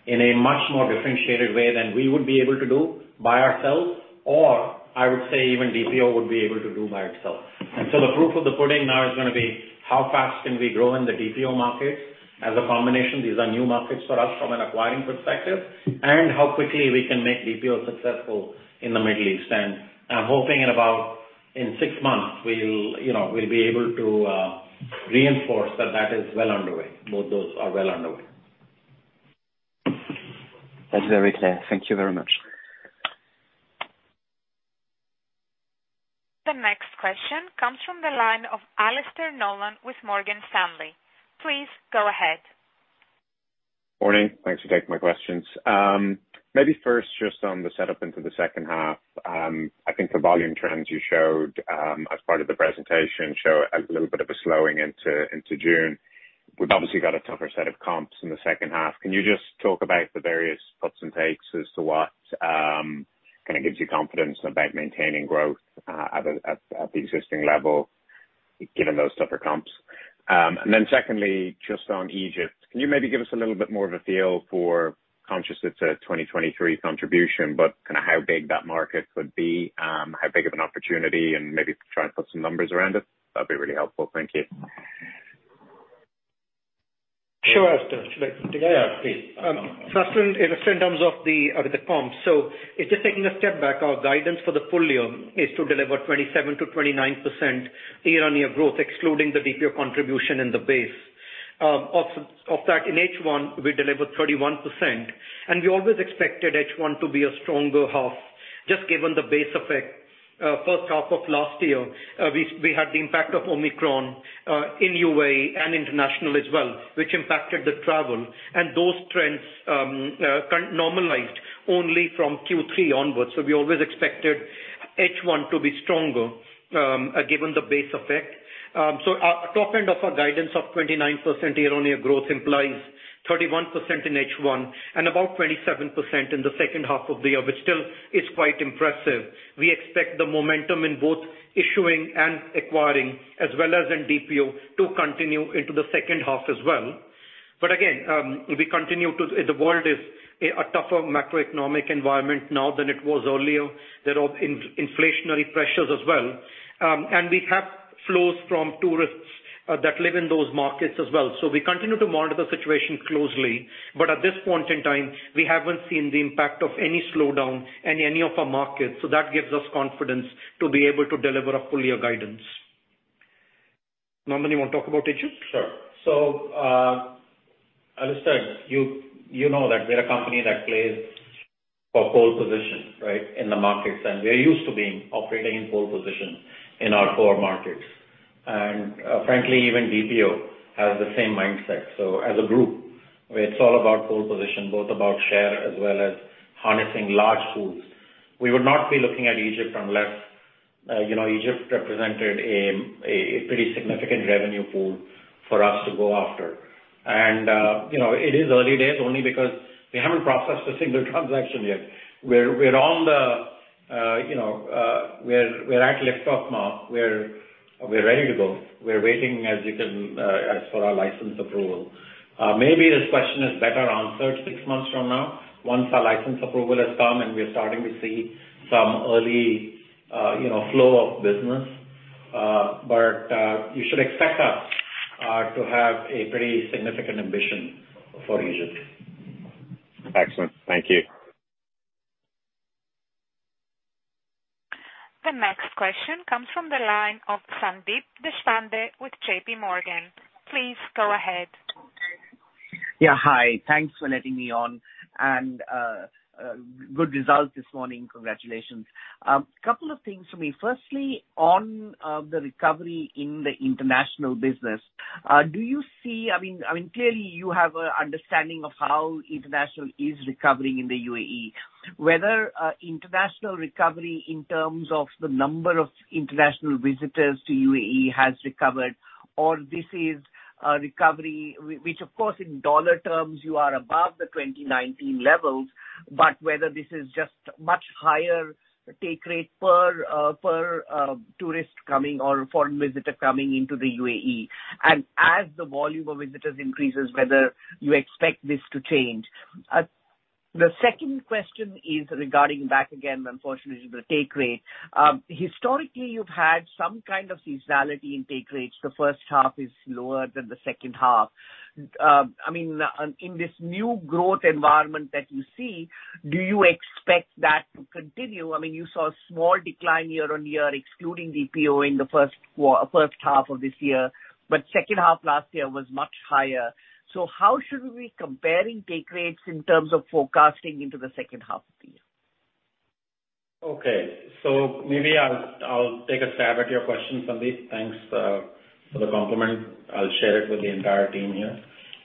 in a much more differentiated way than we would be able to do by ourselves, or I would say even DPO would be able to do by itself. The proof of the pudding now is gonna be how fast can we grow in the DPO markets as a combination. These are new markets for us from an acquiring perspective. How quickly we can make DPO successful in the Middle East. I'm hoping in six months, you know, we'll be able to reinforce that is well underway. Both those are well underway. That's very clear. Thank you very much. The next question comes from the line of Alastair Nolan with Morgan Stanley. Please go ahead. Morning. Thanks for taking my questions. Maybe first just on the setup into the second half. I think the volume trends you showed as part of the presentation show a little bit of a slowing into June. We've obviously got a tougher set of comps in the second half. Can you just talk about the various puts and takes as to what kinda gives you confidence about maintaining growth at the existing level given those tougher comps? And then secondly, just on Egypt, can you maybe give us a little bit more of a feel for conscious of 2023 contribution, but kinda how big that market could be, how big of an opportunity, and maybe try and put some numbers around it? That'd be really helpful. Thank you. Sure, Alastair. Did I ask, please? First, in terms of the comps. It's just taking a step back. Our guidance for the full year is to deliver 27%-29% year-on-year growth, excluding the DPO contribution in the base. Of that, in H1, we delivered 31%, and we always expected H1 to be a stronger half just given the base effect. First half of last year, we had the impact of Omicron in UAE and international as well, which impacted the travel and those trends, normalized only from Q3 onwards. We always expected H1 to be stronger, given the base effect. Our top end of our guidance of 29% year-over-year growth implies 31% in H1 and about 27% in the second half of the year, which still is quite impressive. We expect the momentum in both issuing and acquiring, as well as in DPO, to continue into the second half as well. Again, we continue to... The world is a tougher macroeconomic environment now than it was earlier. There are inflationary pressures as well. We have flows from tourists that live in those markets as well. We continue to monitor the situation closely, but at this point in time, we haven't seen the impact of any slowdown in any of our markets, so that gives us confidence to be able to deliver a full year guidance. Nandan, you wanna talk about Egypt? Sure. Alastair, you know that we're a company that plays for pole position, right, in the markets, and we're used to being operating in pole position in our core markets. Frankly, even DPO has the same mindset. As a group, it's all about pole position, both about share as well as harnessing large pools. We would not be looking at Egypt unless you know, Egypt represented a pretty significant revenue pool for us to go after. You know, it is early days only because we haven't processed a single transaction yet. We're on the, you know, we're at liftoff now. We're ready to go. We're waiting, as you can, as for our license approval. Maybe this question is better answered six months from now once our license approval has come, and we are starting to see some early, you know, flow of business. You should expect us to have a pretty significant ambition for Egypt. Excellent. Thank you. The next question comes from the line of Sandeep Deshpande with JPMorgan. Please go ahead. Yeah, hi. Thanks for letting me on, and good results this morning. Congratulations. Couple of things for me. Firstly, on the recovery in the international business, do you see, I mean, clearly you have an understanding of how international is recovering in the UAE, whether international recovery in terms of the number of international visitors to UAE has recovered, or this is a recovery which of course in dollar terms you are above the 2019 levels, but whether this is just much higher take rate per tourist coming or foreign visitor coming into the UAE. As the volume of visitors increases, whether you expect this to change. The second question is regarding back again, unfortunately, the take rate. Historically, you've had some kind of seasonality in take rates. The first half is lower than the second half. I mean, in this new growth environment that you see, do you expect that to continue? I mean, you saw a small decline year-on-year excluding DPO in the first half of this year, but second half last year was much higher. How should we be comparing take rates in terms of forecasting into the second half of the year? Okay, maybe I'll take a stab at your question, Sandeep. Thanks for the compliment. I'll share it with the entire team here.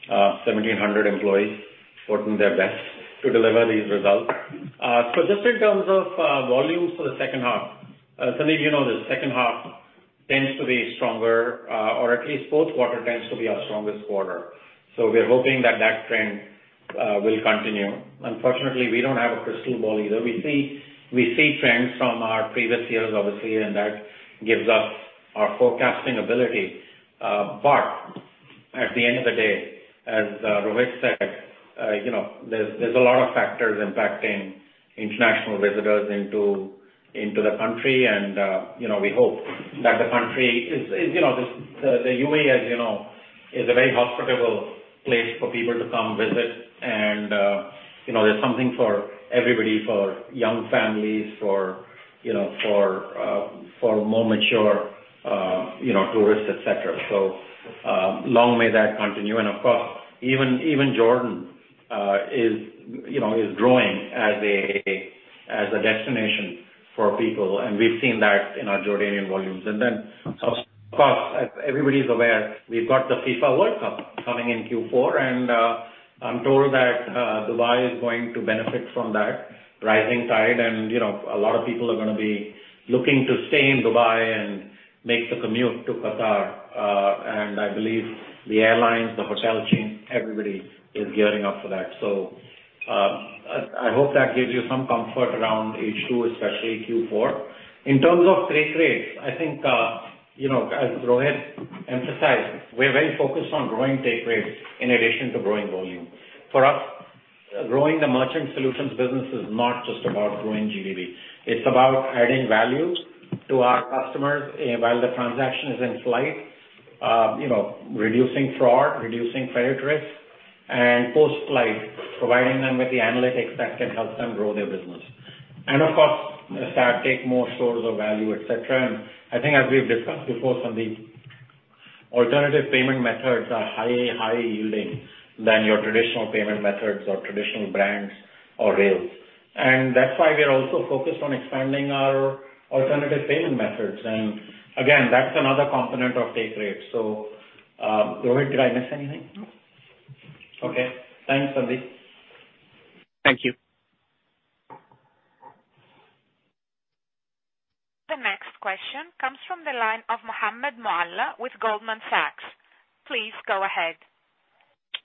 1,700 employees working their best to deliver these results. Just in terms of volumes for the second half, Sandeep, you know, the second half tends to be stronger, or at least fourth quarter tends to be our strongest quarter. We're hoping that that trend will continue. Unfortunately, we don't have a crystal ball either. We see trends from our previous years, obviously, and that gives us our forecasting ability. But at the end of the day, as Rohit said, you know, there's a lot of factors impacting international visitors into the country and, you know, we hope that the country is, you know, the UAE, as you know, is a very hospitable place for people to come visit and, you know, there's something for everybody, for young families, for, you know, for more mature, you know, tourists, et cetera. Long may that continue. Of course, even Jordan is growing as a destination for people, and we've seen that in our Jordanian volumes. Then of course, as everybody's aware, we've got the FIFA World Cup coming in Q4, and I'm told that Dubai is going to benefit from that rising tide. You know, a lot of people are gonna be looking to stay in Dubai and make the commute to Qatar. I believe the airlines, the hotel chains, everybody is gearing up for that. I hope that gives you some comfort around H2, especially Q4. In terms of take rates, I think, you know, as Rohit emphasized, we're very focused on growing take rates in addition to growing volume. For us, growing the Merchant Solutions business is not just about growing TPV. It's about adding value to our customers, while the transaction is in flight, you know, reducing fraud, reducing credit risk, and post-flight, providing them with the analytics that can help them grow their business. Of course, start taking more share of value, et cetera. I think as we've discussed before, Sandeep, alternative payment methods are higher yielding than your traditional payment methods or traditional brands or rails. Again, that's another component of take rate. Rohit, did I miss anything? No. Okay. Thanks, Sandeep. Thank you. The next question comes from the line of Mohammed Moawalla with Goldman Sachs. Please go ahead.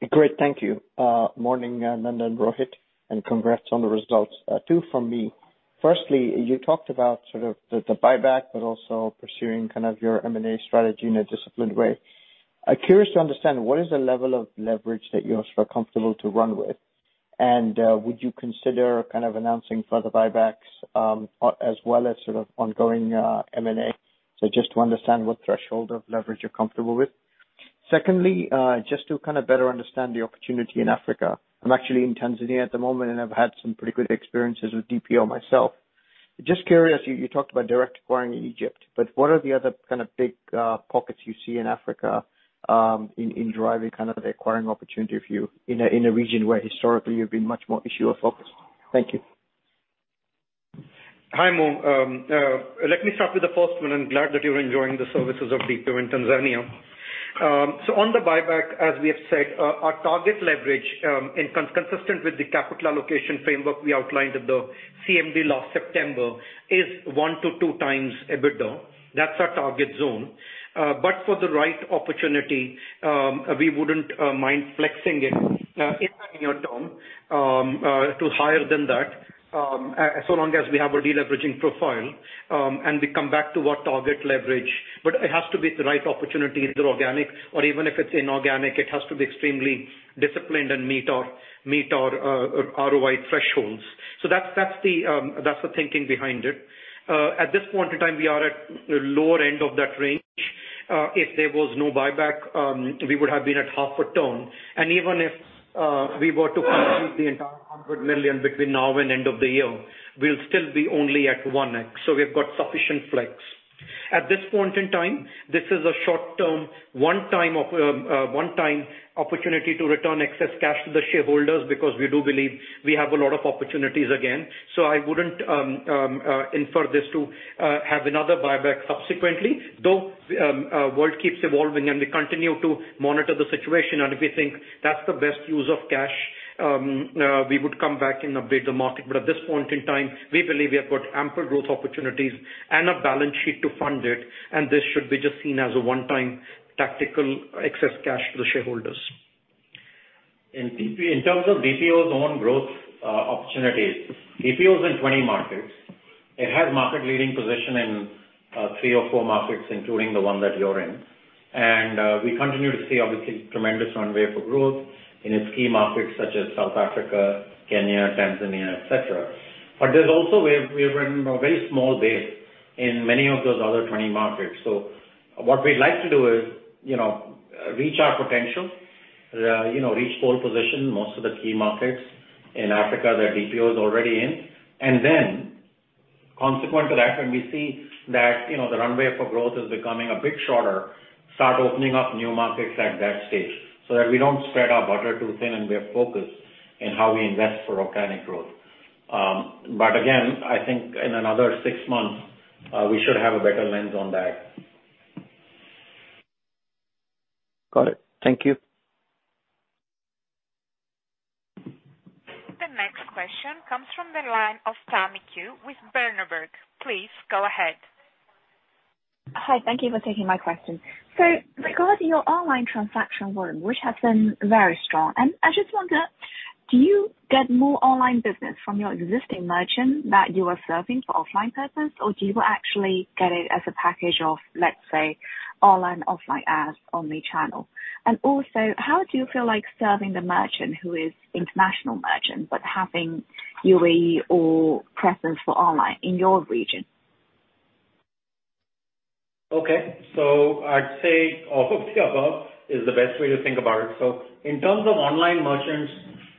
Great. Thank you. Morning, Nandan, Rohit, and congrats on the results. Two from me. Firstly, you talked about the buyback but also pursuing kind of your M&A strategy in a disciplined way. I'm curious to understand what is the level of leverage that you feel comfortable to run with? Would you consider kind of announcing further buybacks, as well as sort of ongoing, M&A? Just to understand what threshold of leverage you're comfortable with. Secondly, just to kinda better understand the opportunity in Africa, I'm actually in Tanzania at the moment, and I've had some pretty good experiences with DPO myself. Just curious, you talked about direct acquiring in Egypt, but what are the other kind of big pockets you see in Africa, in driving kind of the acquiring opportunity for you in a region where historically you've been much more issuer-focused? Thank you. Hi, Mo. Let me start with the first one. I'm glad that you're enjoying the services of DPO in Tanzania. On the buyback, as we have said, our target leverage, in consistent with the capital allocation framework we outlined at the CMD last September, is 1x-2x EBITDA. That's our target zone. For the right opportunity, we wouldn't mind flexing it in the near term to higher than that, so long as we have a deleveraging profile and we come back to our target leverage. It has to be the right opportunity, either organic or even if it's inorganic. It has to be extremely disciplined and meet our ROI thresholds. That's the thinking behind it. At this point in time, we are at lower end of that range. If there was no buyback, we would have been at half a turn. Even if we were to complete the entire $100 million between now and end of the year, we'll still be only at 1x. We've got sufficient flex. At this point in time, this is a short-term, one-time opportunity to return excess cash to the shareholders because we do believe we have a lot of opportunities again. I wouldn't infer this to have another buyback subsequently, though, world keeps evolving and we continue to monitor the situation and if we think that's the best use of cash, we would come back and update the market. At this point in time, we believe we have got ample growth opportunities and a balance sheet to fund it, and this should be just seen as a one-time tactical excess cash to the shareholders. In terms of DPO's own growth opportunities, DPO is in 20 markets. It has market-leading position in three or four markets, including the one that you're in. We continue to see obviously tremendous runway for growth in its key markets such as South Africa, Kenya, Tanzania, et cetera. There's also where we have a very small base in many of those other 20 markets. What we'd like to do is, you know, reach our potential, you know, reach pole position, most of the key markets in Africa that DPO is already in. Then consequent to that, when we see that, you know, the runway for growth is becoming a bit shorter, start opening up new markets at that stage so that we don't spread our butter too thin and we are focused in how we invest for organic growth. Again, I think in another six months, we should have a better lens on that. Got it. Thank you. The next question comes from the line of Tammy Qiu with Berenberg. Please go ahead. Hi, thank you for taking my question. Regarding your online transaction volume, which has been very strong, and I just wonder, do you get more online business from your existing merchant that you are serving for offline purpose, or do you actually get it as a package of, let's say, online/offline as omni-channel? How do you feel like serving the merchant who is international merchant, but having UAE or presence for online in your region? Okay. I'd say all of the above is the best way to think about it. In terms of online merchants,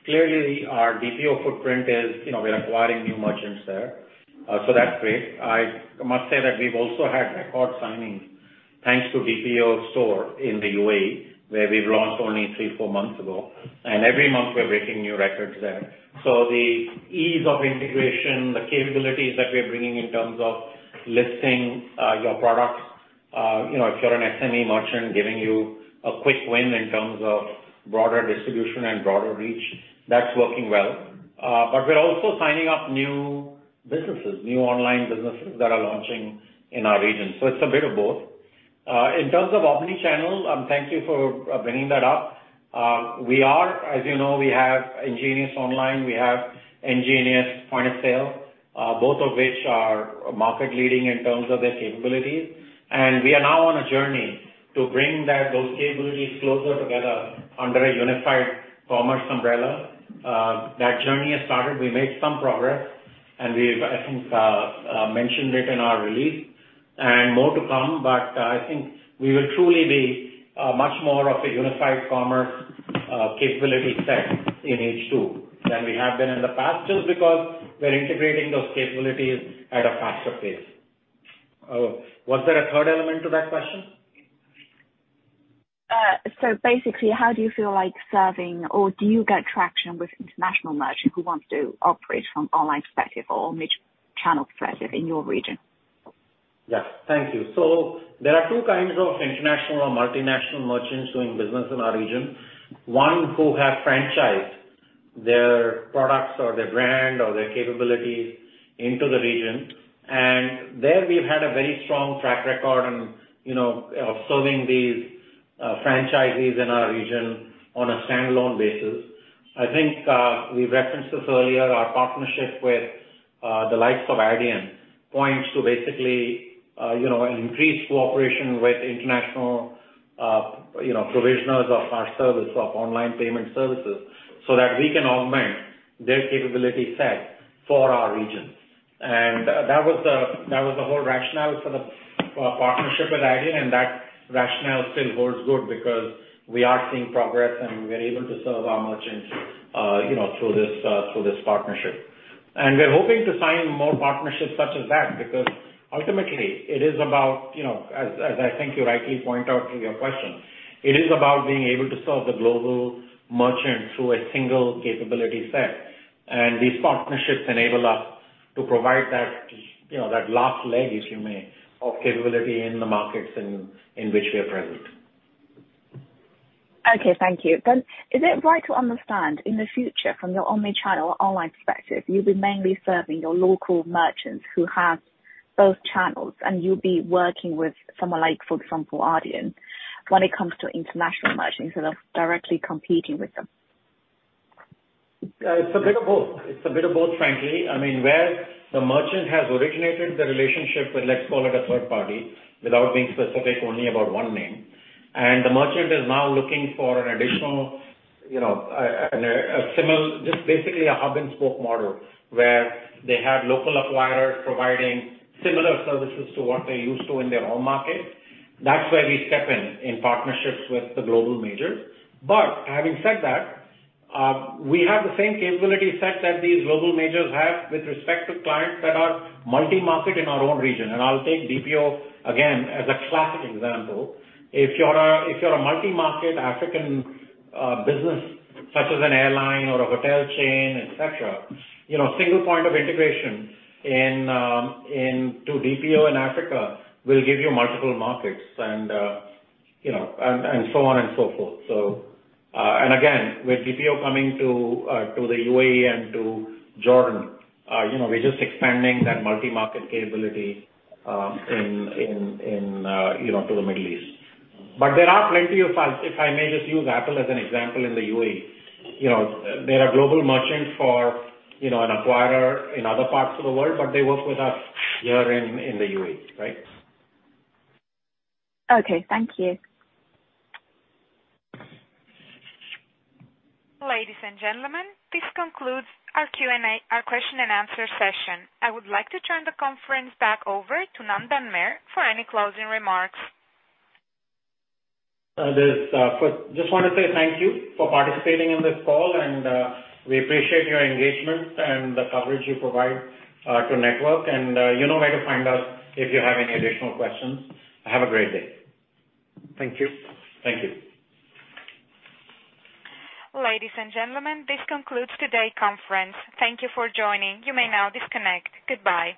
clearly our DPO footprint is, you know, we are acquiring new merchants there. That's great. I must say that we've also had record signings, thanks to DPO Store in the UAE, where we've launched only three, four months ago. Every month we're breaking new records there. The ease of integration, the capabilities that we're bringing in terms of listing your products, you know, if you're an SME merchant, giving you a quick win in terms of broader distribution and broader reach, that's working well. But we're also signing up new businesses, new online businesses that are launching in our region. It's a bit of both. In terms of omni-channel, thank you for bringing that up. As you know, we have N-Genius Online, we have N-Genius Point of Sale, both of which are market leading in terms of their capabilities. We are now on a journey to bring that, those capabilities closer together under a unified commerce umbrella. That journey has started. We made some progress and we've, I think, mentioned it in our release and more to come, but I think we will truly be much more of a unified commerce capability set in H2 than we have been in the past, just because we're integrating those capabilities at a faster pace. Was there a third element to that question? Basically, how do you feel like serving or do you get traction with international merchant who wants to operate from online perspective or omni-channel presence in your region? Yes. Thank you. There are two kinds of international or multinational merchants doing business in our region. One who have franchised their products or their brand or their capabilities into the region. There we've had a very strong track record on, you know, serving these franchisees in our region on a standalone basis. I think we referenced this earlier, our partnership with the likes of Adyen points to basically, you know, an increased cooperation with international, you know, providers of our service, of online payment services, so that we can augment their capability set for our regions. That was the whole rationale for the partnership with Adyen, and that rationale still holds good because we are seeing progress and we're able to serve our merchants, you know, through this partnership. We're hoping to sign more partnerships such as that, because ultimately it is about, you know, as I think you rightly point out in your question, it is about being able to serve the global merchant through a single capability set. These partnerships enable us to provide that, you know, that last leg, if you may, of capability in the markets in which we are present. Okay, thank you. Is it right to understand, in the future from your omni-channel online perspective, you'll be mainly serving your local merchants who have both channels, and you'll be working with someone like, for example, Adyen when it comes to international merchants instead of directly competing with them? It's a bit of both. It's a bit of both, frankly. I mean, where the merchant has originated the relationship with, let's call it a third party, without being specific only about one name, and the merchant is now looking for an additional, you know, just basically a hub and spoke model, where they have local acquirers providing similar services to what they're used to in their home market, that's where we step in partnerships with the global majors. Having said that, we have the same capability set that these global majors have with respect to clients that are multi-market in our own region. I'll take DPO again as a classic example. If you're a multi-market African business such as an airline or a hotel chain, et cetera, single point of integration into DPO in Africa will give you multiple markets and so on and so forth. Again, with DPO coming to the UAE and to Jordan, we're just expanding that multi-market capability to the Middle East. But there are plenty of. If I may just use Apple as an example in the UAE, you know, they're a global merchant for, you know, an acquirer in other parts of the world, but they work with us here in the UAE, right? Okay, thank you. Ladies and gentlemen, this concludes our Q&A, our question and answer session. I would like to turn the conference back over to Nandan Mer for any closing remarks. Just wanna say thank you for participating in this call and we appreciate your engagement and the coverage you provide to Network. You know where to find us if you have any additional questions. Have a great day. Thank you. Thank you. Ladies and gentlemen, this concludes today's conference. Thank you for joining. You may now disconnect. Goodbye.